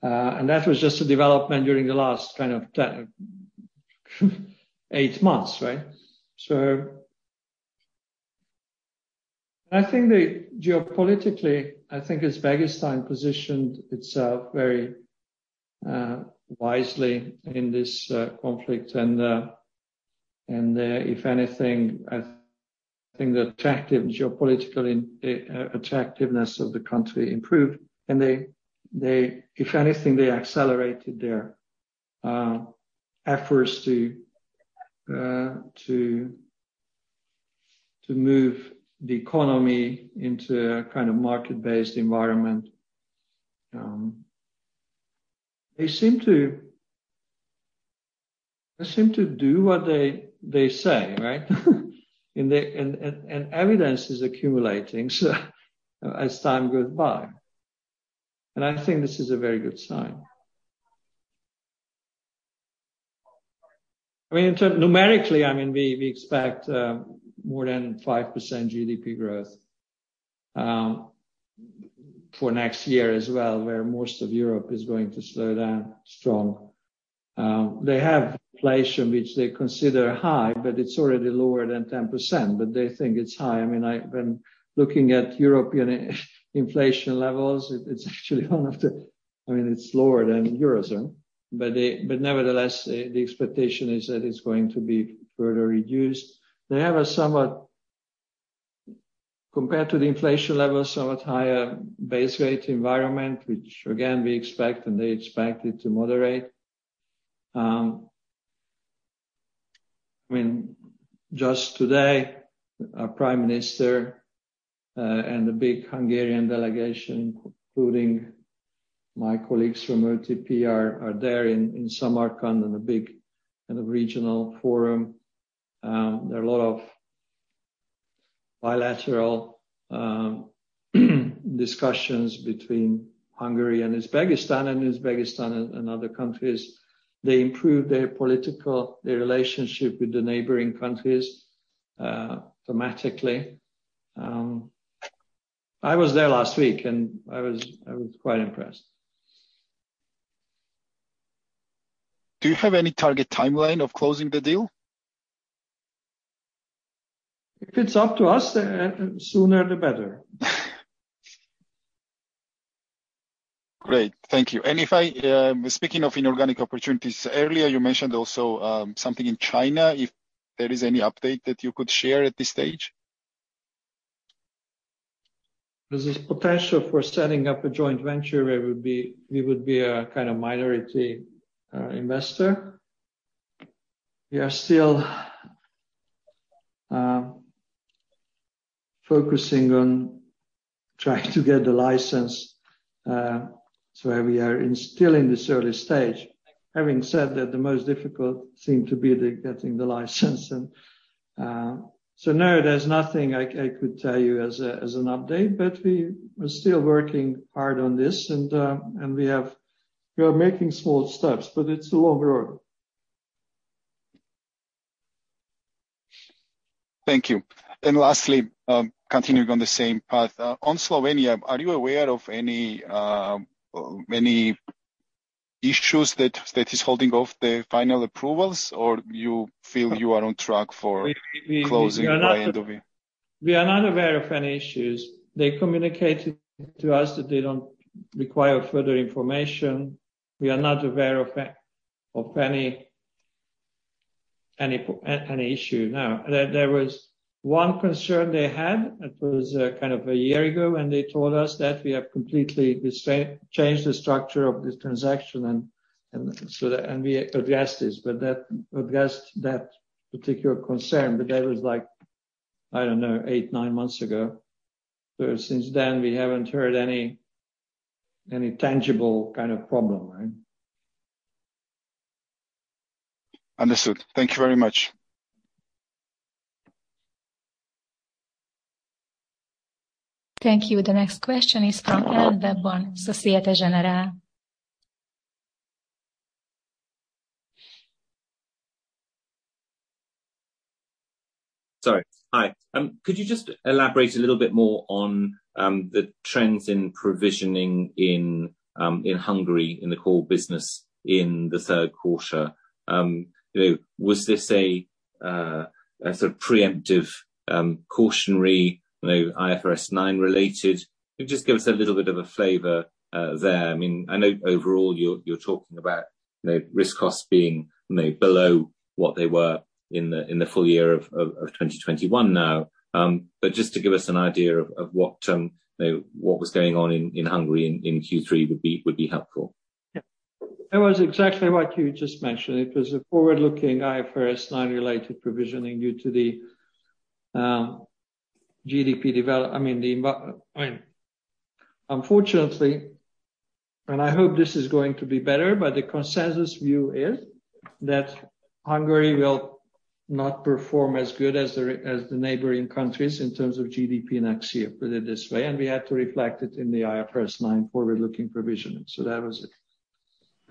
That was just a development during the last kind of eight months, right? I think geopolitically, I think Uzbekistan positioned itself very wisely in this conflict. If anything, I think the geopolitical attractiveness of the country improved. If anything, they accelerated their efforts to move the economy into a kind of market-based environment. They seem to do what they say, right? Evidence is accumulating, so as time goes by. I think this is a very good sign. I mean, numerically, I mean, we expect more than 5% GDP growth for next year as well, where most of Europe is going to slow down strongly. They have inflation, which they consider high, but it's already lower than 10%, but they think it's high. I mean, when looking at European inflation levels, it's actually, I mean, it's lower than Eurozone. Nevertheless, the expectation is that it's going to be further reduced. They have a somewhat higher base rate environment compared to the inflation level, which again, we expect and they expect it to moderate. I mean, just today, our prime minister and a big Hungarian delegation, including my colleagues from OTP, are there in Samarkand, in a big kind of regional forum. There are a lot of bilateral discussions between Hungary and Uzbekistan, and Uzbekistan and other countries. They improved their political relationship with the neighboring countries dramatically. I was there last week, and I was quite impressed. Do you have any target timeline of closing the deal? If it's up to us, the sooner, the better. Great. Thank you. Speaking of inorganic opportunities, earlier you mentioned also, something in China. If there is any update that you could share at this stage. There's this potential for setting up a joint venture where we would be a kind of minority investor. We are still focusing on trying to get the license. We are still in this early stage. Having said that, the most difficult thing is getting the license. No, there's nothing I could tell you as an update. We are still working hard on this, and we are making small steps, but it's a long road. Thank you. Lastly, continuing on the same path. On Slovenia, are you aware of any issues that is holding off the final approvals, or you feel you are on track for closing by end of year? We are not aware. We are not aware of any issues. They communicated to us that they don't require further information. We are not aware of any issue, no. There was one concern they had. It was kind of a year ago when they told us that we have completely changed the structure of this transaction and we addressed this, but that addressed that particular concern. But that was like, I don't know, eight, nine months ago. Since then, we haven't heard any tangible kind of problem, right? Understood. Thank you very much. Thank you. The next question is from Alan Webborn, Société Générale. Sorry. Hi. Could you just elaborate a little bit more on the trends in provisioning in Hungary in the core business in the third quarter? You know, was this a sort of preemptive cautionary, you know, IFRS 9 related? Just give us a little bit of a flavor there. I mean, I know overall you're talking about, you know, risk costs being, you know, below what they were in the full year of 2021 now. But just to give us an idea of what you know, what was going on in Hungary in Q3 would be helpful. Yeah. It was exactly what you just mentioned. It was a forward-looking IFRS 9 related provisioning due to the GDP. Unfortunately, and I hope this is going to be better, but the consensus view is that Hungary will not perform as good as the neighboring countries in terms of GDP next year, put it this way, and we had to reflect it in the IFRS 9 forward-looking provisioning. That was it.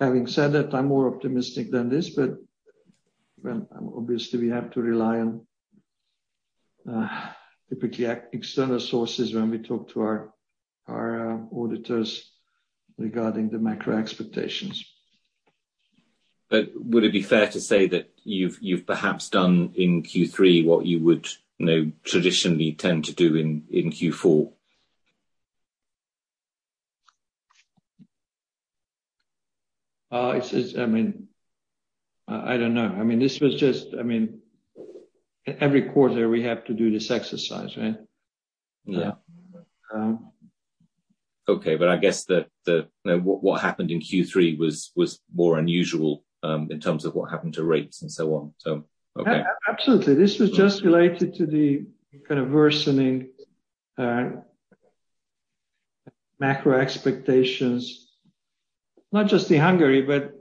Having said that, I'm more optimistic than this, but well, obviously we have to rely on typically external sources when we talk to our auditors regarding the macro expectations. Would it be fair to say that you've perhaps done in Q3 what you would, you know, traditionally tend to do in Q4? I mean, I don't know. I mean, this was just I mean, every quarter we have to do this exercise, right? Yeah. Um. Okay. I guess the you know what happened in Q3 was more unusual in terms of what happened to rates and so on, so okay. Yeah, absolutely. This was just related to the kind of worsening macro expectations, not just in Hungary, but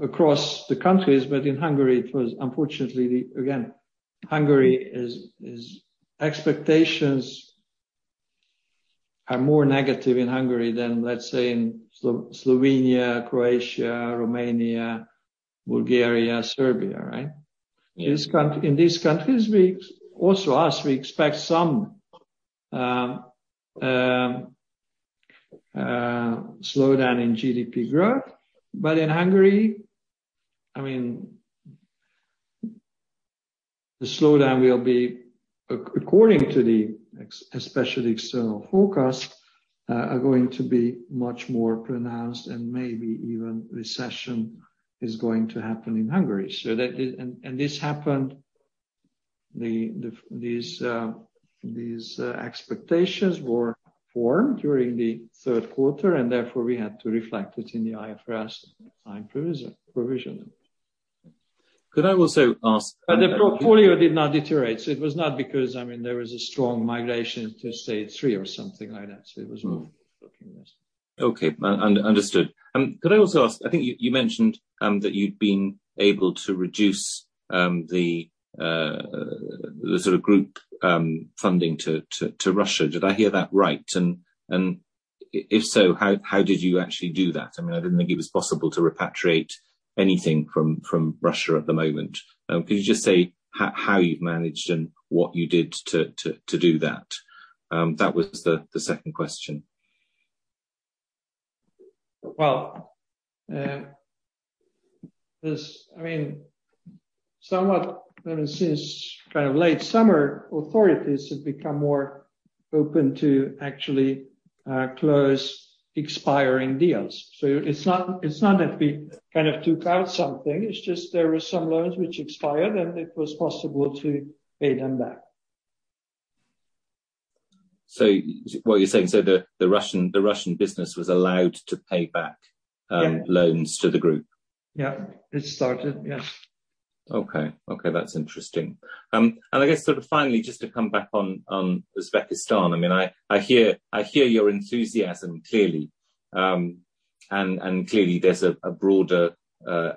across the countries. In Hungary it was unfortunately again, Hungary is expectations are more negative in Hungary than, let's say in Slovenia, Croatia, Romania, Bulgaria, Serbia, right? Yeah. In these countries, we also expect some slowdown in GDP growth. In Hungary, I mean, the slowdown will be according to especially external forecasts much more pronounced and maybe even recession is going to happen in Hungary. This happened, these expectations were formed during the third quarter, and therefore we had to reflect it in the IFRS 9 provision. Could I also ask? The portfolio did not deteriorate. It was not because, I mean, there was a strong migration to stage three or something like that. It was more like this. Understood. Could I also ask, I think you mentioned that you'd been able to reduce the sort of group funding to Russia. Did I hear that right? If so, how did you actually do that? I mean, I didn't think it was possible to repatriate anything from Russia at the moment. Could you just say how you've managed and what you did to do that? That was the second question. Well, this I mean, somewhat, you know, since kind of late summer authorities have become more open to actually close expiring deals. It's not that we kind of took out something, it's just there were some loans which expired, and it was possible to pay them back. What you're saying, the Russian business was allowed to pay back. Yeah. loans to the group? Yeah. It started. Yes. Okay. Okay, that's interesting. I guess sort of finally, just to come back on Uzbekistan, I mean, I hear your enthusiasm clearly. Clearly there's a broader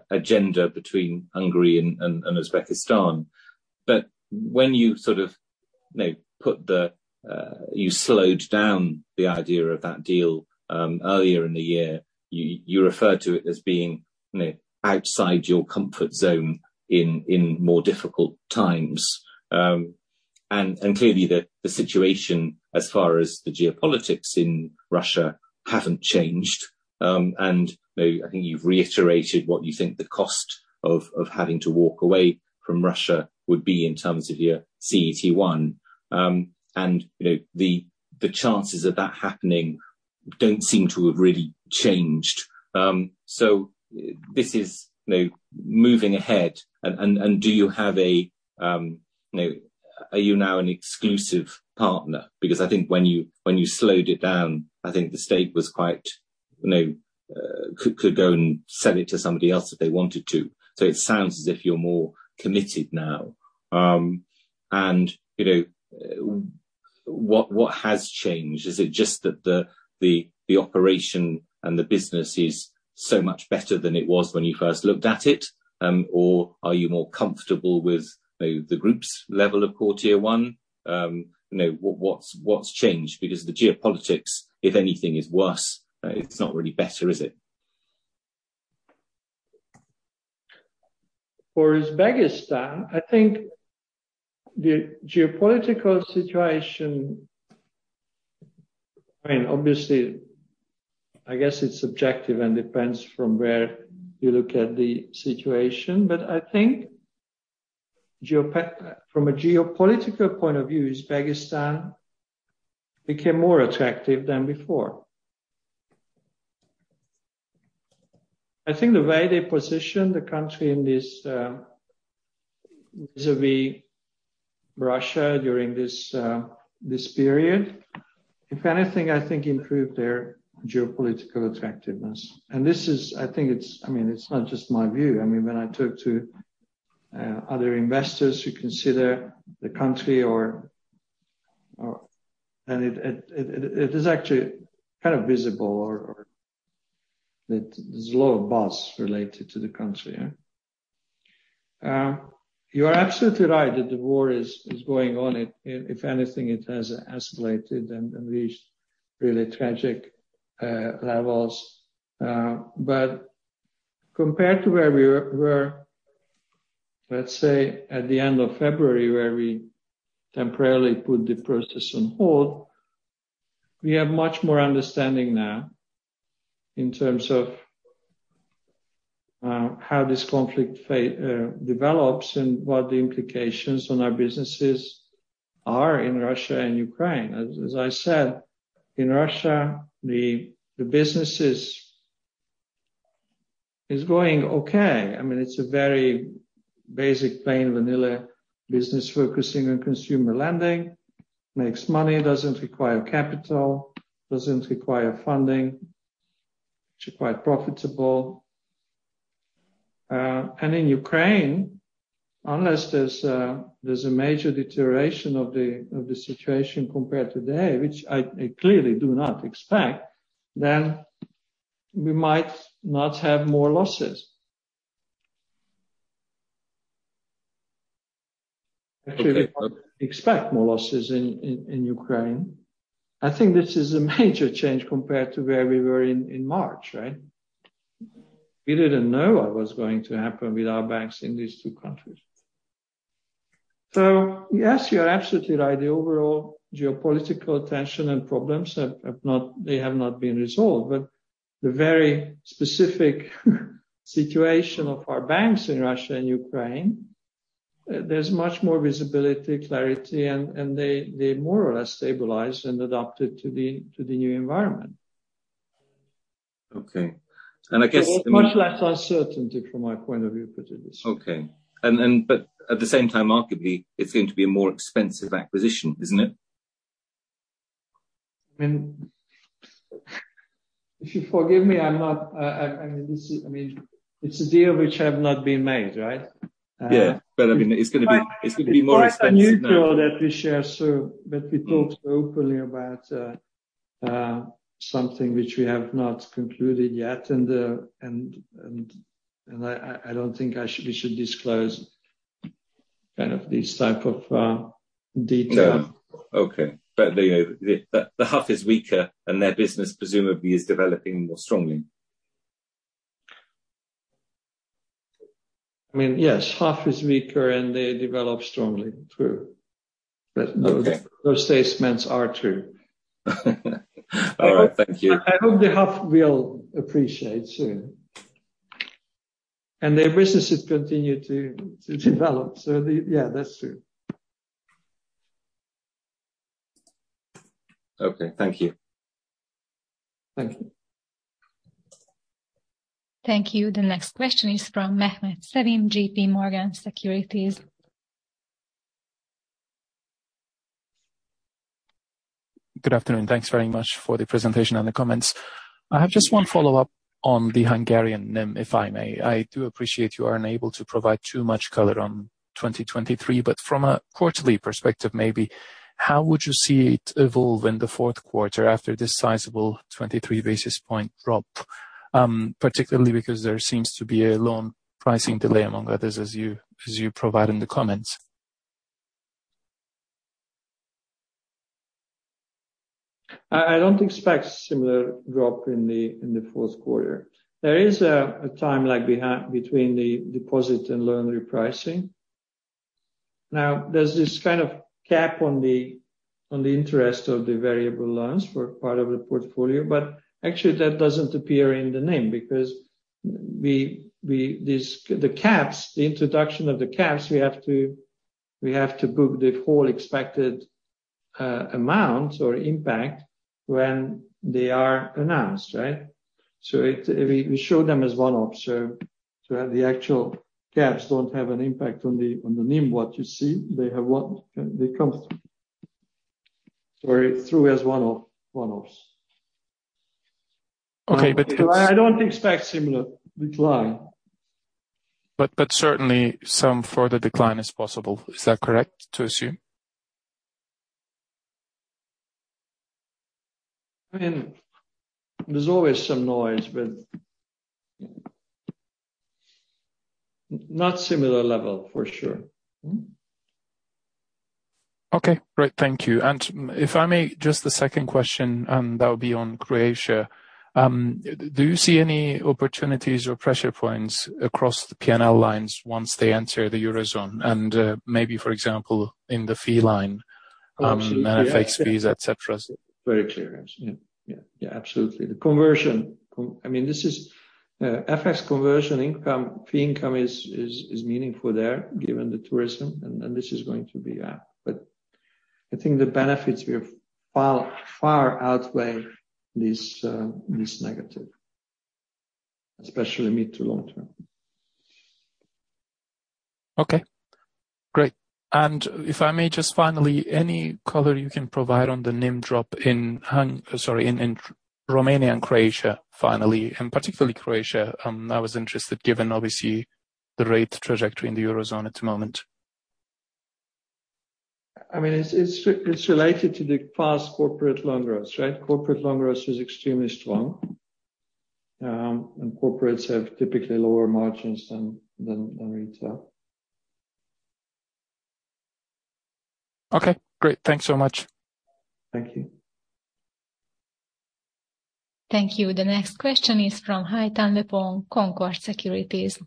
agenda between Hungary and Uzbekistan. But when you sort of, you know, slowed down the idea of that deal earlier in the year. You referred to it as being, you know, outside your comfort zone in more difficult times. Clearly the situation as far as the geopolitics in Russia haven't changed. You know, I think you've reiterated what you think the cost of having to walk away from Russia would be in terms of your CET1. You know, the chances of that happening don't seem to have really changed. This is, you know, moving ahead and do you have a, you know. Are you now an exclusive partner? Because I think when you slowed it down, I think the state was quite, you know, could go and sell it to somebody else if they wanted to. It sounds as if you're more committed now. And, you know, what has changed? Is it just that the operation and the business is so much better than it was when you first looked at it? Or are you more comfortable with the group's level of core Tier one? You know, what's changed? Because the geopolitics, if anything, is worse. It's not really better, is it? For Uzbekistan, I think the geopolitical situation, I mean, obviously, I guess it's subjective and depends from where you look at the situation. I think from a geopolitical point of view, Uzbekistan became more attractive than before. I think the way they positioned the country in this, vis-à-vis Russia during this period, if anything, I think improved their geopolitical attractiveness. This is, I think it's, I mean, it's not just my view. I mean, when I talk to other investors who consider the country, it is actually kind of visible that there's a lot of buzz related to the country, yeah. You are absolutely right that the war is going on. It, if anything, has escalated and reached really tragic levels. Compared to where we were, let's say at the end of February, where we temporarily put the process on hold, we have much more understanding now in terms of how this conflict develops and what the implications on our businesses are in Russia and Ukraine. As I said, in Russia, the business is going okay. I mean, it's a very basic plain vanilla business focusing on consumer lending. Makes money, doesn't require capital, doesn't require funding. It's quite profitable. In Ukraine, unless there's a major deterioration of the situation compared to today, which I clearly do not expect, then we might not have more losses. Okay. Actually, we expect more losses in Ukraine. I think this is a major change compared to where we were in March, right? We didn't know what was going to happen with our banks in these two countries. Yes, you're absolutely right. The overall geopolitical tension and problems have not been resolved. The very specific situation of our banks in Russia and Ukraine, there's much more visibility, clarity, and they more or less stabilized and adapted to the new environment. Okay. I guess. much less uncertainty from my point of view. Okay. At the same time, arguably, it's going to be a more expensive acquisition, isn't it? I mean, if you forgive me, I mean, it's a deal which have not been made, right? Yeah. I mean, it's gonna be more expensive now. It's quite unusual that we talk so openly about something which we have not concluded yet. I don't think we should disclose kind of these type of detail. Okay. You know, the HUF is weaker and their business presumably is developing more strongly. I mean, yes, HUF is weaker and they develop strongly. True. Okay. Those statements are true. All right. Thank you. I hope the HUF will appreciate soon. Their businesses continue to develop. Yeah, that's true. Okay. Thank you. Thank you. Thank you. The next question is from Mehmet Sevim, J.P. Morgan Securities. Good afternoon. Thanks very much for the presentation and the comments. I have just one follow-up on the Hungarian NIM, if I may. I do appreciate you are unable to provide too much color on 2023, but from a quarterly perspective, maybe, how would you see it evolve in the fourth quarter after this sizable 23 basis point drop, particularly because there seems to be a loan pricing delay among others as you provide in the comments? I don't expect similar drop in the fourth quarter. There is a time lag between the deposit and loan repricing. Now, there's this kind of cap on the interest of the variable loans for part of the portfolio. Actually that doesn't appear in the NIM because the caps, the introduction of the caps, we have to book the whole expected amount or impact when they are announced, right? We show them as one-off, so the actual caps don't have an impact on the NIM, what you see. They come through as one-off, one-offs. Okay, it's. I don't expect similar decline. Certainly some further decline is possible. Is that correct to assume? I mean, there's always some noise, but not similar level for sure. Okay. Great. Thank you. If I may, just the second question, that would be on Croatia. Do you see any opportunities or pressure points across the P&L lines once they enter the Eurozone and, maybe for example, in the fee line? Absolutely FX fees, et cetera. Very clear. Yeah. Absolutely. I mean, this is FX conversion income. Fee income is meaningful there given the tourism and this is going to be, yeah. I think the benefits will far outweigh this negative, especially mid- to long-term. Okay. Great. If I may just finally, any color you can provide on the NIM drop in Romania and Croatia finally, and particularly Croatia, I was interested given obviously the rate trajectory in the Eurozone at the moment? I mean, it's related to the past corporate loan growth, right? Corporate loan growth is extremely strong. Corporates have typically lower margins than retail. Okay. Great. Thanks so much. Thank you. Thank you. The next question is from Hitan Lepong, Concord Securities.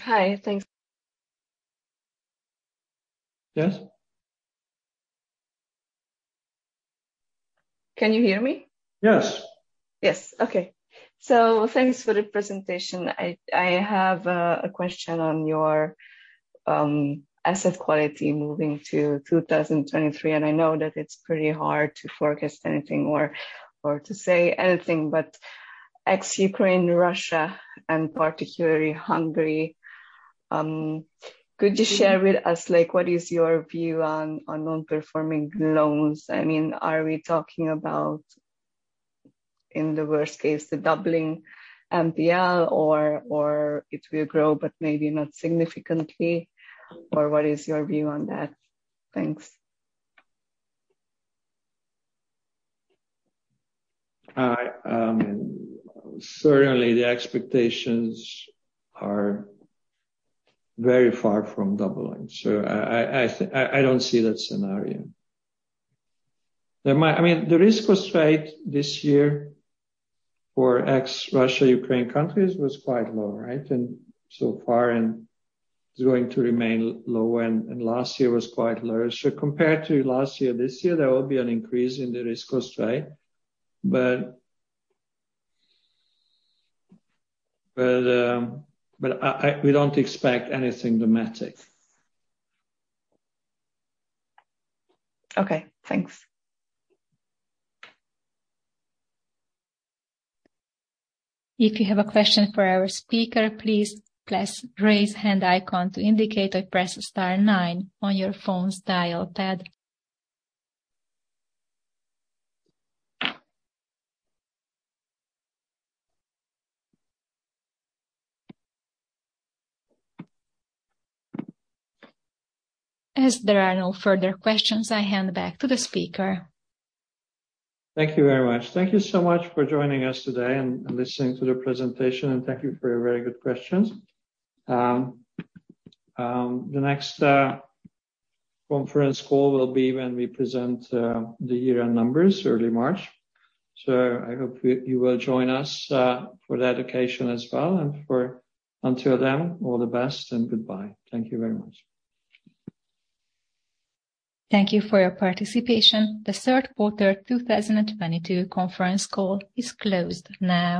Hi. Thanks. Yes. Can you hear me? Yes. Yes. Okay. Thanks for the presentation. I have a question on your asset quality moving to 2023, and I know that it's pretty hard to forecast anything or to say anything, but ex-Ukraine, Russia, and particularly Hungary, could you share with us, like, what is your view on non-performing loans? I mean, are we talking about, in the worst case, the doubling NPL or it will grow but maybe not significantly? Or what is your view on that? Thanks. Certainly the expectations are very far from doubling, so I don't see that scenario. I mean, the risk-free rate this year for ex-Russia, Ukraine countries was quite low, right? So far, it is going to remain low, and last year was quite low. Compared to last year, this year there will be an increase in the risk-free rate. We don't expect anything dramatic. Okay, thanks. If you have a question for our speaker, please press raise hand icon to indicate or press star nine on your phone's dial pad. As there are no further questions, I hand back to the speaker. Thank you very much. Thank you so much for joining us today and listening to the presentation, and thank you for your very good questions. The next conference call will be when we present the year-end numbers early March. I hope you will join us for that occasion as well. Until then, all the best and goodbye. Thank you very much. Thank you for your participation. The Third Quarter 2022 Conference Call is closed now.